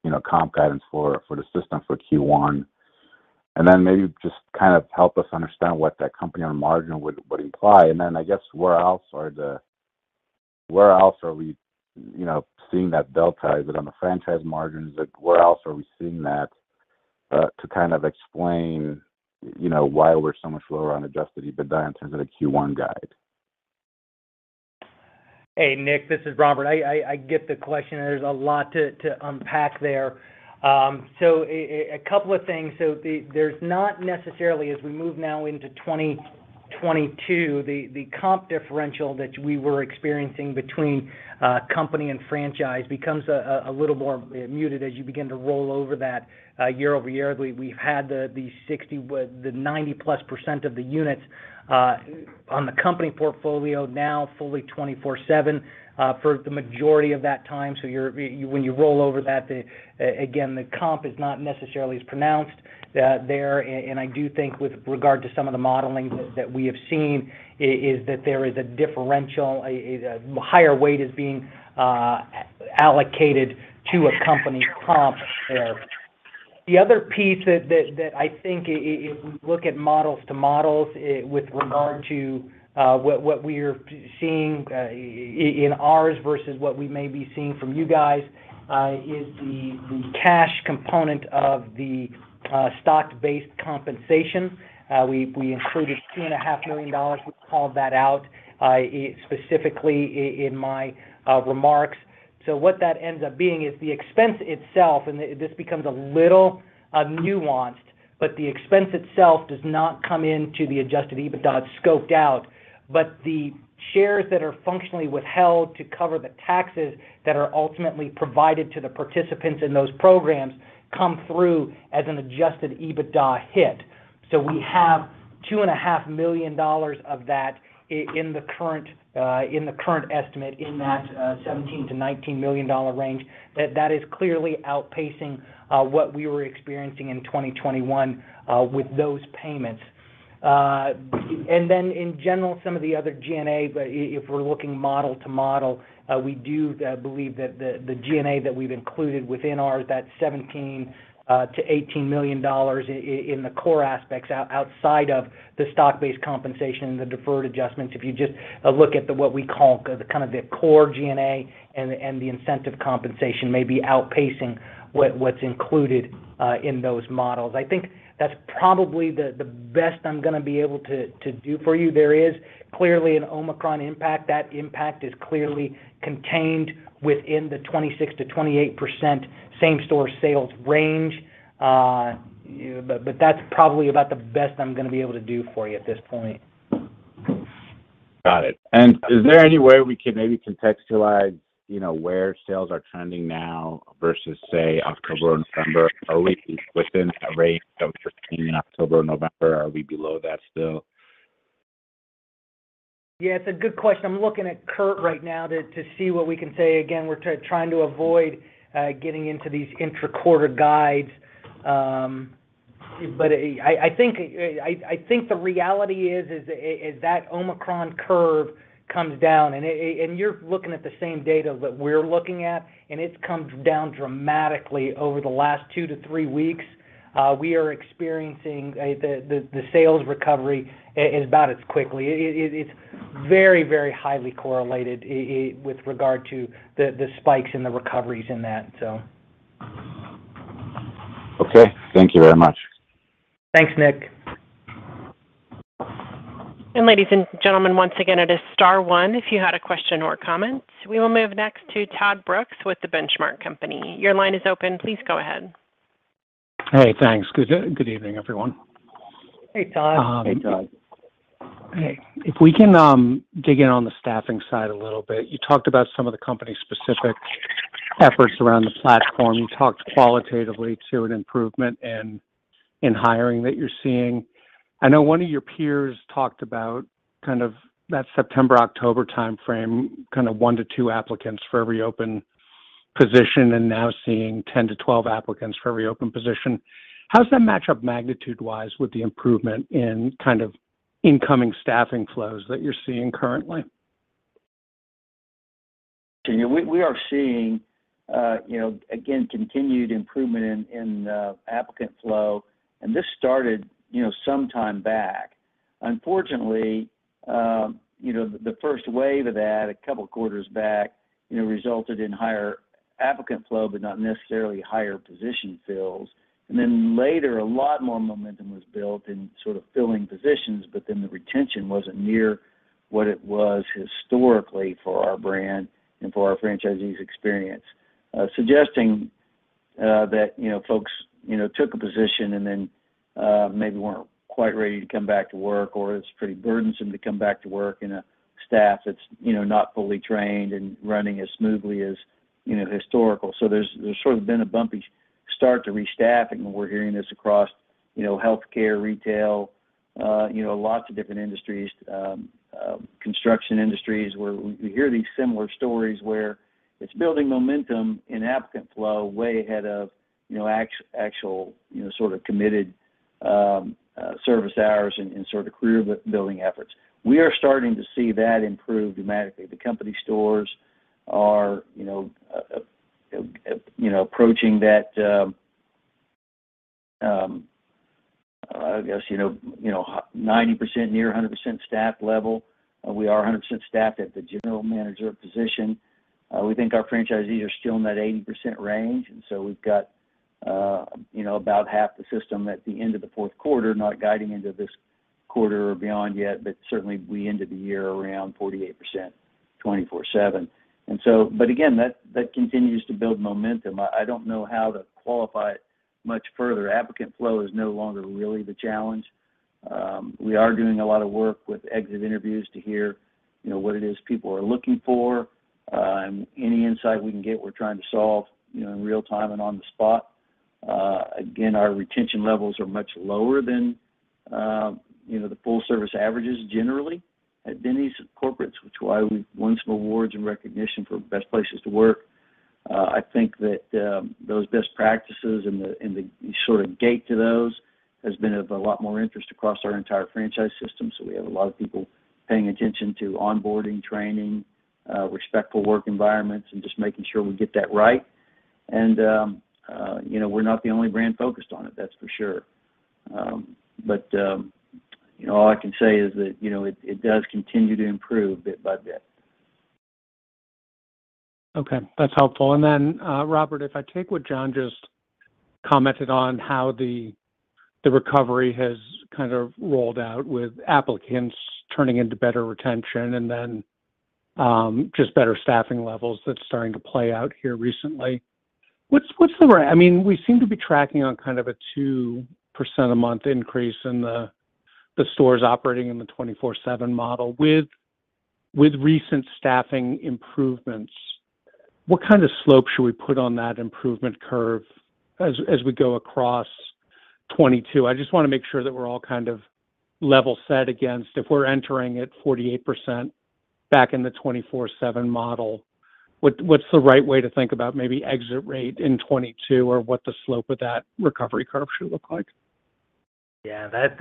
you know, comp guidance for the system for Q1. And then maybe just kind of help us understand what that company-owned margin would imply. And then I guess where else are we, you know, seeing that delta? Is it on the franchise margins? Like, where else are we seeing that to kind of explain, you know, why we're so much lower on adjusted EBITDA in terms of the Q1 guide? Hey, Nick, this is Robert. I get the question. There's a lot to unpack there. A couple of things. There's not necessarily as we move now into 2022, the comp differential that we were experiencing between company and franchise becomes a little more muted as you begin to roll over that year-over-year. We've had the 90%+ of the units on the company portfolio now fully 24/7 for the majority of that time. When you roll over that, the comp is not necessarily as pronounced there. I do think with regard to some of the modeling that we have seen is that there is a differential, a higher weight is being allocated to a company's comp there. The other piece that I think if we look at models to models, with regard to what we're seeing in ours versus what we may be seeing from you guys, is the cash component of the stock-based compensation. We included $2.5 million. We called that out, specifically in my remarks. What that ends up being is the expense itself, and this becomes a little nuanced, but the expense itself does not come into the adjusted EBITDA. It's scoped out. The shares that are functionally withheld to cover the taxes that are ultimately provided to the participants in those programs come through as an adjusted EBITDA hit. We have $2.5 million of that in the current estimate in that $17 million-$19 million range that is clearly outpacing what we were experiencing in 2021 with those payments. In general, some of the other G&A. If we're looking model to model, we do believe that the G&A that we've included within our $17 million-$18 million in the core aspects outside of the stock-based compensation, the deferred adjustments. If you just look at what we call the kind of core G&A and the incentive compensation may be outpacing what's included in those models. I think that's probably the best I'm gonna be able to do for you. There is clearly an Omicron impact. That impact is clearly contained within the 26%-28% same-store sales range. That's probably about the best I'm gonna be able to do for you at this point. Got it. Is there any way we can maybe contextualize, you know, where sales are trending now versus, say, October and November? Are we within the range of October-November, or are we below that still? Yeah, it's a good question. I'm looking at Curt right now to see what we can say. Again, we're trying to avoid getting into these intra-quarter guides. I think the reality is that Omicron curve comes down and you're looking at the same data that we're looking at, and it's come down dramatically over the last two to three weeks. We are experiencing the sales recovery as about as quickly. It's very highly correlated with regard to the spikes and the recoveries in that, so. Okay. Thank you very much. Thanks, Nick. Ladies and gentlemen, once again, it is star one if you had a question or comment. We will move next to Todd Brooks with The Benchmark Company. Your line is open. Please go ahead. Hey, thanks. Good evening, everyone. Hey, Todd. Hey, Todd. Hey. If we can dig in on the staffing side a little bit, you talked about some of the company's specific efforts around the platform. You talked qualitatively to an improvement in hiring that you're seeing. I know one of your peers talked about kind of that September-October timeframe, kind of one to two applicants for every open position, and now seeing 10-12 applicants for every open position. How does that match up magnitude-wise with the improvement in kind of incoming staffing flows that you're seeing currently? We are seeing, you know, again, continued improvement in applicant flow, and this started, you know, some time back. Unfortunately, you know, the first wave of that a couple quarters back, you know, resulted in higher applicant flow but not necessarily higher position fills. Then later, a lot more momentum was built in sort of filling positions, but then the retention wasn't near what it was historically for our brand and for our franchisees' experience, suggesting that, you know, folks, you know, took a position and then maybe weren't quite ready to come back to work or it's pretty burdensome to come back to work in a staff that's, you know, not fully trained and running as smoothly as, you know, historical. There's sort of been a bumpy start to restaffing. We're hearing this across, you know, healthcare, retail, you know, lots of different industries, construction industries where we hear these similar stories where it's building momentum in applicant flow way ahead of, you know, actual, you know, sort of committed, service hours and sort of career building efforts. We are starting to see that improve dramatically. The company stores are, you know, you know, approaching that, I guess, you know, you know, 90% near 100% staffed level. We are 100% staffed at the general manager position. We think our franchisees are still in that 80% range, and so we've got, you know, about half the system at the end of the fourth quarter, not guiding into this quarter or beyond yet, but certainly we ended the year around 48% 24/7. Again, that continues to build momentum. I don't know how to qualify it much further. Applicant flow is no longer really the challenge. We are doing a lot of work with exit interviews to hear, you know, what it is people are looking for. Any insight we can get, we're trying to solve, you know, in real time and on the spot. Again, our retention levels are much lower than, you know, the full service averages generally at Denny's corporate, which is why we've won some awards and recognition for best places to work. I think that those best practices and the sort of gate to those has been of a lot more interest across our entire franchise system. We have a lot of people paying attention to onboarding, training, respectful work environments, and just making sure we get that right. You know, we're not the only brand focused on it, that's for sure. You know, all I can say is that, you know, it does continue to improve bit by bit. Okay, that's helpful. Then, Robert, if I take what John just commented on how the recovery has kind of rolled out with applicants turning into better retention and then, just better staffing levels that's starting to play out here recently. What's the rate? I mean, we seem to be tracking on kind of a 2% a month increase in the stores operating in the 24/7 model. With recent staffing improvements, what kind of slope should we put on that improvement curve as we go across 2022? I just wanna make sure that we're all kind of level set against if we're entering at 48% back in the 24/7 model, what's the right way to think about maybe exit rate in 2022 or what the slope of that recovery curve should look like? Yeah, that's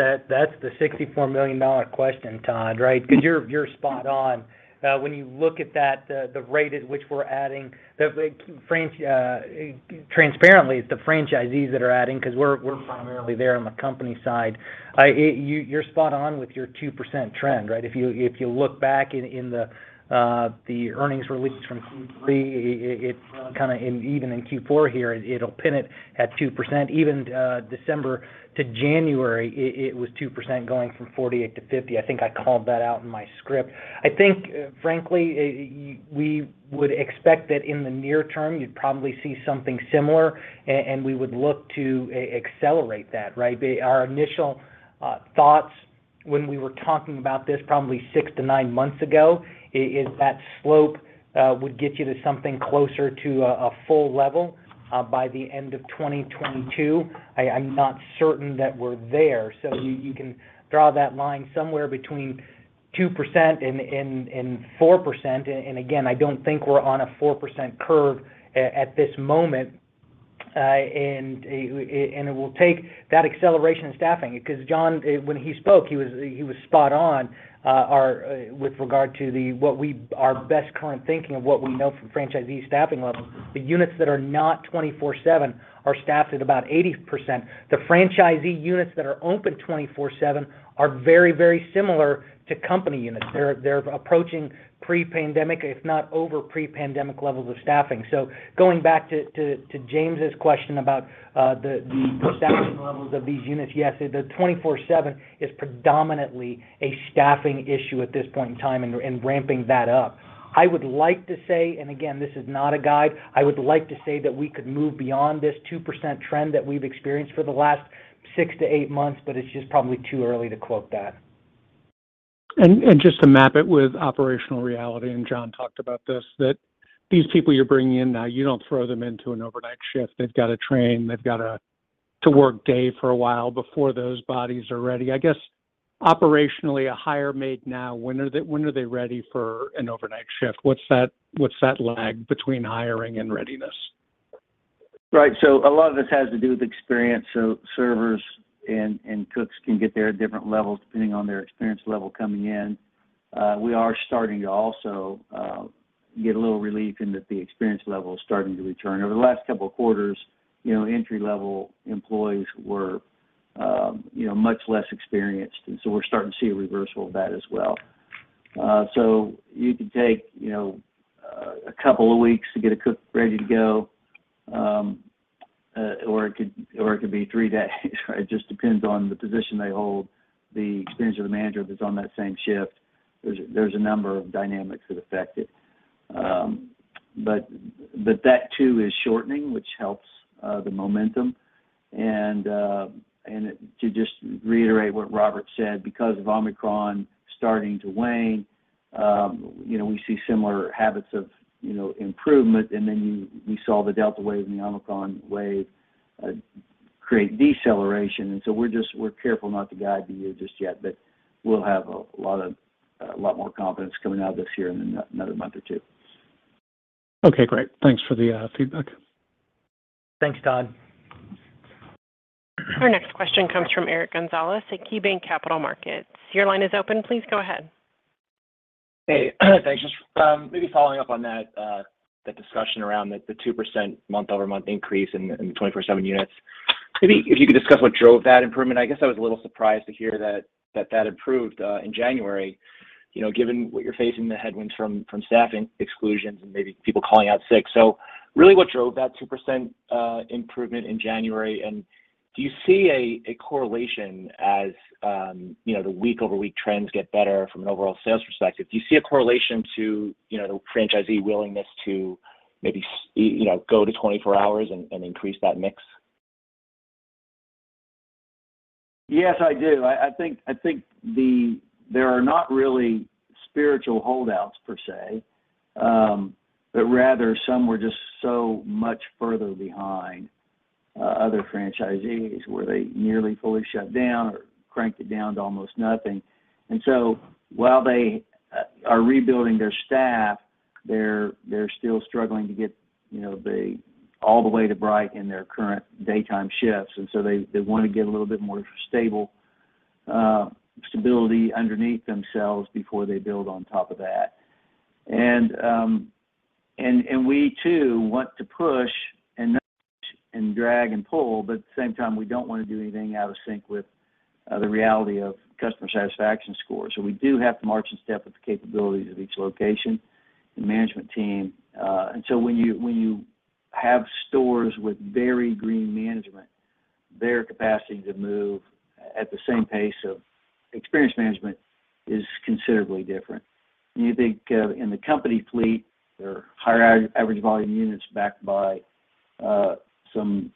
the $64 million question, Todd, right? Because you're spot on. When you look at that, the rate at which we're adding. Transparently, it's the franchisees that are adding because we're primarily there on the company side. You're spot on with your 2% trend, right? If you look back in the earnings release from Q3, it's kind of even in Q4 here, it'll pin it at 2%. Even December-January, it was 2% going from 48%-50%. I think I called that out in my script. I think, frankly, we would expect that in the near term, you'd probably see something similar and we would look to accelerate that, right? Our initial thoughts when we were talking about this probably six to nine months ago is that slope would get you to something closer to a full level by the end of 2022. I'm not certain that we're there. You can draw that line somewhere between 2% and 4%. Again, I don't think we're on a 4% curve at this moment. It will take that acceleration in staffing. Because John, when he spoke, he was spot on with regard to our best current thinking of what we know from franchisee staffing levels. The units that are not 24/7 are staffed at about 80%. The franchisee units that are open 24/7 are very similar to company units. They're approaching pre-pandemic, if not over pre-pandemic levels of staffing. Going back to James' question about the staffing levels of these units, yes, the 24/7 is predominantly a staffing issue at this point in time and ramping that up. I would like to say, and again, this is not a guide, I would like to say that we could move beyond this 2% trend that we've experienced for the last six to eight months, but it's just probably too early to quote that. Just to map it with operational reality, and John talked about this, that these people you're bringing in now, you don't throw them into an overnight shift. They've got to train, they've got to work day for a while before those bodies are ready. I guess operationally, a hire made now, when are they ready for an overnight shift? What's that lag between hiring and readiness? Right. A lot of this has to do with experience. Servers and cooks can get there at different levels depending on their experience level coming in. We are starting to also get a little relief in that the experience level is starting to return. Over the last couple of quarters, you know, entry level employees were, you know, much less experienced, and so we're starting to see a reversal of that as well. You could take, you know, a couple of weeks to get a cook ready to go, or it could be three days, right? It just depends on the position they hold, the experience of the manager that's on that same shift. There's a number of dynamics that affect it. That too is shortening, which helps the momentum. To just reiterate what Robert said, because of Omicron starting to wane, you know, we see similar habits of, you know, improvement, and then we saw the Delta wave and the Omicron wave create deceleration. We're careful not to guide the year just yet, but we'll have a lot more confidence coming out of this year in another month or two. Okay, great. Thanks for the, feedback. Thanks, Todd. Our next question comes from Eric Gonzalez at KeyBanc Capital Markets. Your line is open. Please go ahead. Hey. Thanks. Just maybe following up on that discussion around the 2% month-over-month increase in the 24/7 units. Maybe if you could discuss what drove that improvement. I guess I was a little surprised to hear that improved in January, you know, given what you're facing, the headwinds from staffing exclusions and maybe people calling out sick. Really what drove that 2% improvement in January, and do you see a correlation as you know, the week-over-week trends get better from an overall sales perspective? Do you see a correlation to, you know, the franchisee willingness to maybe go to 24 hours and increase that mix? Yes, I do. I think there are not really structural holdouts per se, but rather some were just so much further behind other franchisees where they nearly fully shut down or cranked it down to almost nothing. While they are rebuilding their staff, they're still struggling to get, you know, all the way to right in their current daytime shifts. They want to get a little bit more stability underneath themselves before they build on top of that. We too want to push and drag and pull, but at the same time, we don't wanna do anything out of sync with the reality of customer satisfaction scores. We do have to march and step with the capabilities of each location and management team. When you have stores with very green management, their capacity to move at the same pace of experience management is considerably different. You think in the company fleet or higher average volume units backed by some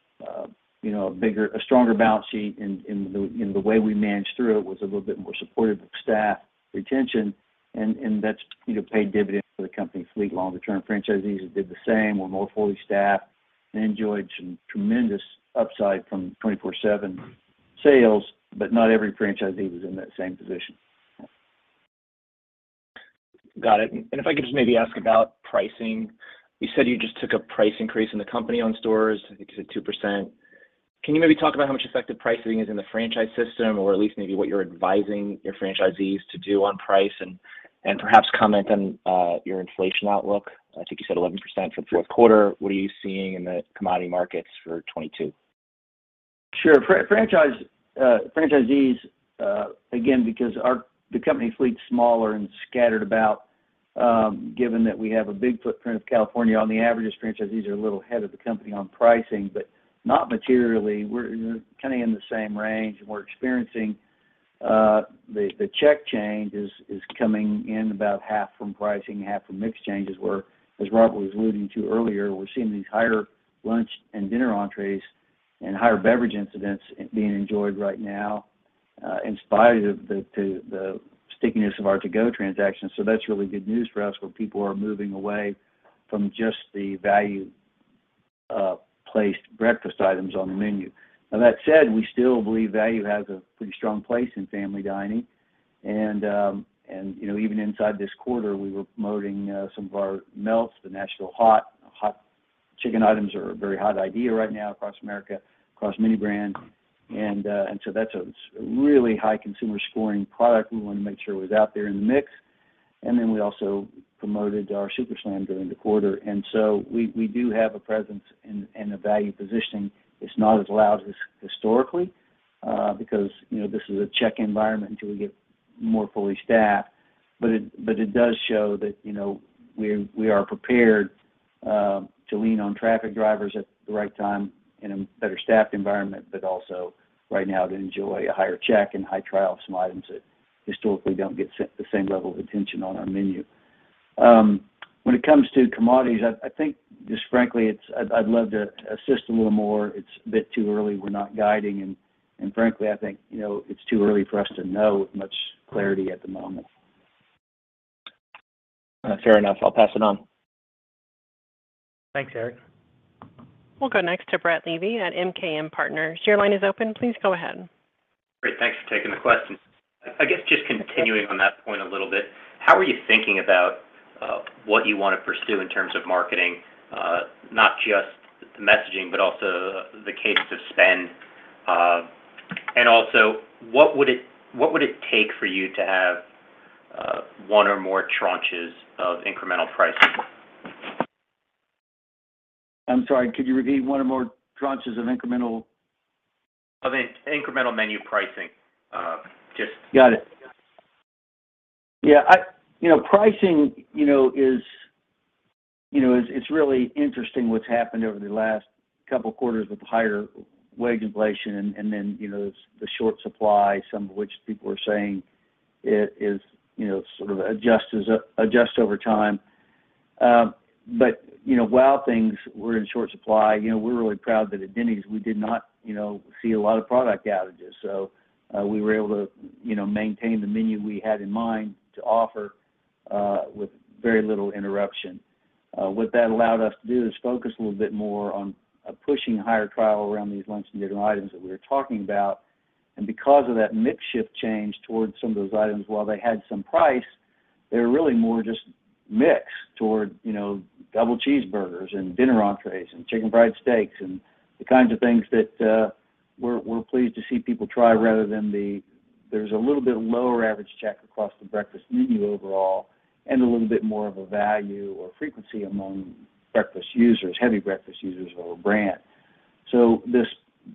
you know a stronger balance sheet in the way we managed through it was a little bit more supportive of staff retention and that's you know paid dividends for the company fleet. Longer term franchisees who did the same were more fully staffed and enjoyed some tremendous upside from 24/7 sales, but not every franchisee was in that same position. Got it. If I could just maybe ask about pricing. You said you just took a price increase in the company on stores, I think you said 2%. Can you maybe talk about how much effective pricing is in the franchise system, or at least maybe what you're advising your franchisees to do on price and perhaps comment on your inflation outlook? I think you said 11% for the fourth quarter. What are you seeing in the commodity markets for 2022? Sure. Franchisees, again, because the company fleet's smaller and scattered about, given that we have a big footprint in California on the average, franchisees are a little ahead of the company on pricing, but not materially. We're kind of in the same range, and we're experiencing the check change is coming in about half from pricing, half from mix changes, where, as Rob was alluding to earlier, we're seeing these higher lunch and dinner entrees and higher beverage incidents being enjoyed right now, in spite of the stickiness of our to-go transactions. That's really good news for us, where people are moving away from just the value-priced breakfast items on the menu. Now that said, we still believe value has a pretty strong place in family dining. You know, even inside this quarter, we were promoting some of our melts. The Nashville Hot Chicken items are a very hot idea right now across America, across many brands. That's a really high consumer scoring product we wanna make sure was out there in the mix. Then we also promoted our Super Slam during the quarter. We do have a presence in the value positioning. It's not as loud as historically because you know, this is a check environment until we get more fully staffed. It does show that, you know, we are prepared to lean on traffic drivers at the right time in a better staffed environment, but also right now to enjoy a higher check and high trial of some items that historically don't get the same level of attention on our menu. When it comes to commodities, I think just frankly, it's. I'd love to assist a little more. It's a bit too early. We're not guiding and frankly, I think, you know, it's too early for us to know with much clarity at the moment. Fair enough. I'll pass it on. Thanks, Eric. We'll go next to Brett Levy at MKM Partners. Your line is open. Please go ahead. Great. Thanks for taking the question. I guess just continuing on that point a little bit, how are you thinking about, what you want to pursue in terms of marketing, not just the messaging, but also the pace of spend? What would it take for you to have, one or more tranches of incremental pricing? I'm sorry, could you repeat one or more tranches of incremental? Of incremental menu pricing. Got it. Yeah. You know, pricing you know is you know it's really interesting what's happened over the last couple of quarters with higher wage inflation and then you know the short supply, some of which people are saying it is you know sort of adjusts over time. You know, while things were in short supply, you know, we're really proud that at Denny's we did not you know see a lot of product outages. We were able to you know maintain the menu we had in mind to offer with very little interruption. What that allowed us to do is focus a little bit more on pushing higher trial around these lunch and dinner items that we were talking about. Because of that mix shift change towards some of those items, while they had some price, they were really more just mix toward, you know, double cheeseburgers and dinner entrees and chicken fried steaks and the kinds of things that we're pleased to see people try rather than. There's a little bit lower average check across the breakfast menu overall, and a little bit more of a value or frequency among breakfast users, heavy breakfast users of our brand.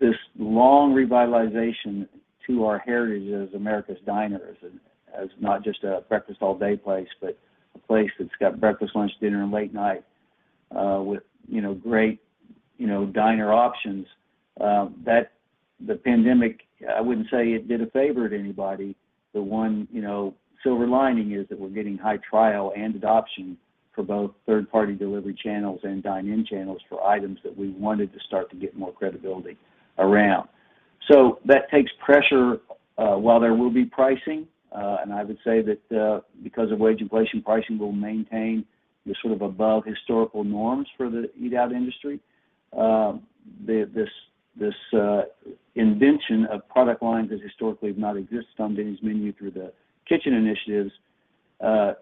This long revitalization to our heritage as America's diners and as not just a breakfast all day place, but a place that's got breakfast, lunch, dinner, and late night with, you know, great, you know, diner options that the pandemic, I wouldn't say it did a favor to anybody. The one, you know, silver lining is that we're getting high trial and adoption for both third-party delivery channels and dine-in channels for items that we wanted to start to get more credibility around. That takes pressure. While there will be pricing, and I would say that, because of wage inflation, pricing will maintain the sort of above historical norms for the eat out industry. This invention of product lines that historically have not existed on Denny's menu through the kitchen initiatives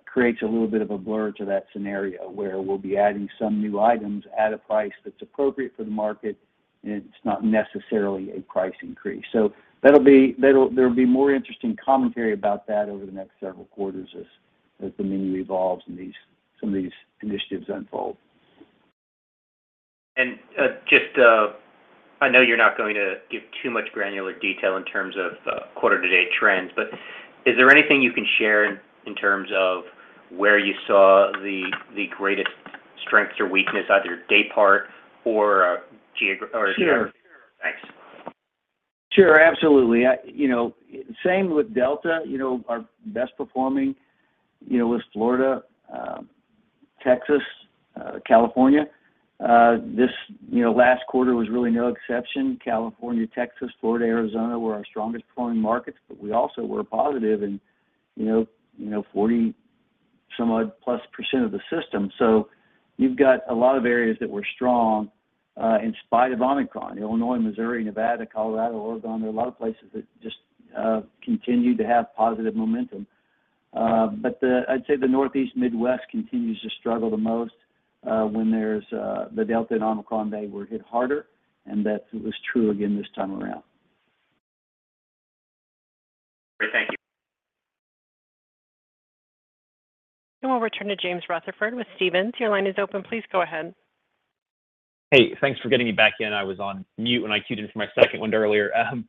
creates a little bit of a blur to that scenario, where we'll be adding some new items at a price that's appropriate for the market, and it's not necessarily a price increase. There'll be more interesting commentary about that over the next several quarters as the menu evolves and some of these initiatives unfold. I know you're not going to give too much granular detail in terms of quarter-to-date trends, but is there anything you can share in terms of where you saw the greatest strength or weakness, either day part or geography. Sure. Thanks. Sure, absolutely. You know, same with Delta. You know, our best performing, you know, was Florida, Texas, California. This, you know, last quarter was really no exception. California, Texas, Florida, Arizona were our strongest performing markets, but we also were positive and, you know, 40%+ some odd of the system. You've got a lot of areas that were strong, in spite of Omicron. Illinois, Missouri, Nevada, Colorado, Oregon, there are a lot of places that just continue to have positive momentum. I'd say the Northeast, Midwest continues to struggle the most, when there's the Delta and Omicron, they were hit harder, and that was true again this time around. Great. Thank you. We'll return to James Rutherford with Stephens. Your line is open. Please go ahead. Hey, thanks for getting me back in. I was on mute when I queued in for my second one earlier. I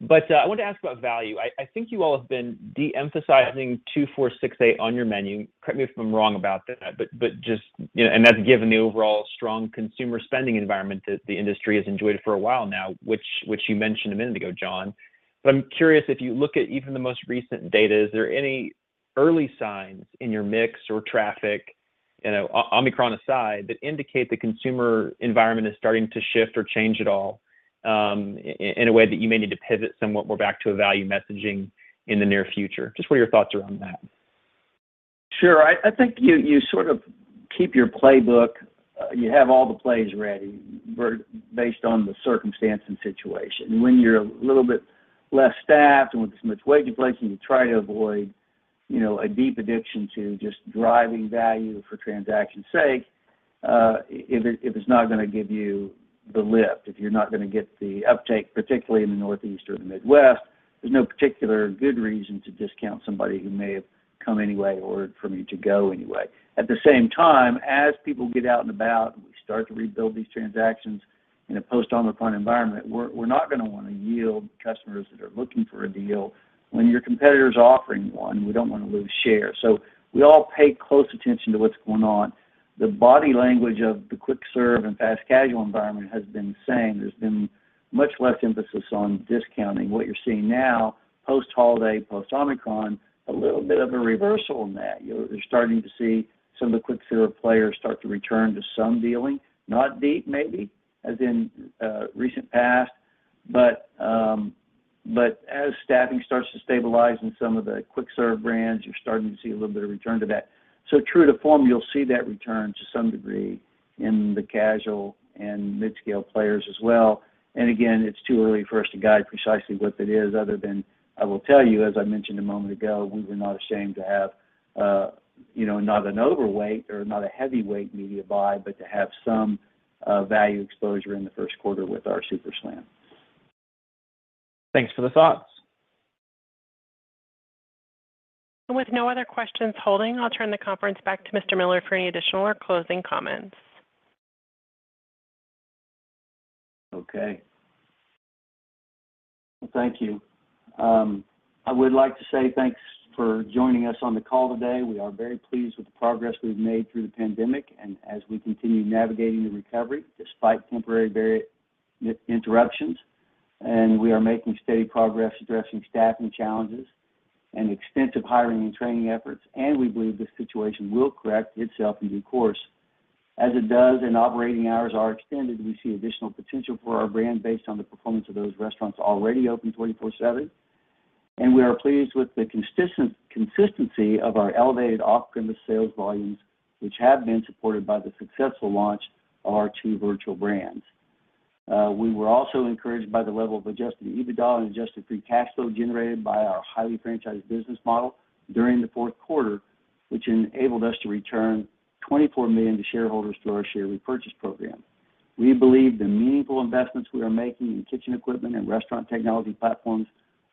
wanted to ask about value. I think you all have been de-emphasizing $2 $4 $6 $8 on your menu. Correct me if I'm wrong about that, but just, you know, and that's given the overall strong consumer spending environment that the industry has enjoyed for a while now, which you mentioned a minute ago, John. I'm curious, if you look at even the most recent data, is there any early signs in your mix or traffic, you know, Omicron aside, that indicate the consumer environment is starting to shift or change at all, in a way that you may need to pivot somewhat more back to a value messaging in the near future? Just what are your thoughts around that? Sure. I think you sort of keep your playbook. You have all the plays ready based on the circumstance and situation. When you're a little bit less staffed, and with this much wage in place, and you try to avoid, you know, a deep addiction to just driving value for transaction's sake, if it's not gonna give you the lift. If you're not gonna get the uptake, particularly in the Northeast or the Midwest, there's no particular good reason to discount somebody who may have come anyway or for me to go anyway. At the same time, as people get out and about, and we start to rebuild these transactions in a post-Omicron environment, we're not gonna wanna yield customers that are looking for a deal. When your competitor is offering one, we don't wanna lose share. We all pay close attention to what's going on. The body language of the quick serve and fast casual environment has been the same. There's been much less emphasis on discounting. What you're seeing now, post-holiday, post-Omicron, a little bit of a reversal in that. You're starting to see some of the quick serve players start to return to some dealing, not as deep, maybe as in recent past, but as staffing starts to stabilize in some of the quick serve brands, you're starting to see a little bit of return to that. True to form, you'll see that return to some degree in the casual and mid-scale players as well. Again, it's too early for us to guide precisely what that is other than I will tell you, as I mentioned a moment ago, we were not ashamed to have, you know, not an overweight or not a heavyweight media buy, but to have some value exposure in the first quarter with our Super Slam. Thanks for the thoughts. With no other questions holding, I'll turn the conference back to Mr. Miller for any additional or closing comments. Okay. Thank you. I would like to say thanks for joining us on the call today. We are very pleased with the progress we've made through the pandemic and as we continue navigating the recovery despite temporary interruptions. We are making steady progress addressing staffing challenges and extensive hiring and training efforts, and we believe this situation will correct itself in due course. As it does and operating hours are extended, we see additional potential for our brand based on the performance of those restaurants already open 24/7. We are pleased with the consistency of our elevated off-premise sales volumes, which have been supported by the successful launch of our two virtual brands. We were also encouraged by the level of adjusted EBITDA and adjusted free cash flow generated by our highly franchised business model during the fourth quarter, which enabled us to return $24 million to shareholders through our share repurchase program. We believe the meaningful investments we are making in kitchen equipment and restaurant technology platforms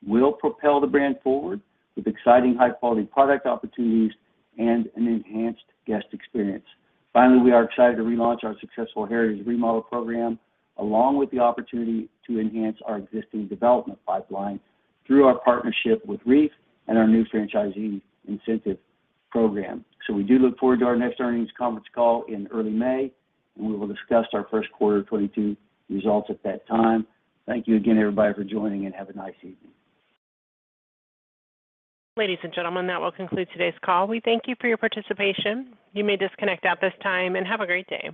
will propel the brand forward with exciting high quality product opportunities and an enhanced guest experience. Finally, we are excited to relaunch our successful Heritage Remodel program, along with the opportunity to enhance our existing development pipeline through our partnership with REEF and our new franchisee incentive program. We do look forward to our next earnings conference call in early May, and we will discuss our first quarter 2022 results at that time. Thank you again, everybody, for joining, and have a nice evening. Ladies and gentlemen, that will conclude today's call. We thank you for your participation. You may disconnect at this time, and have a great day.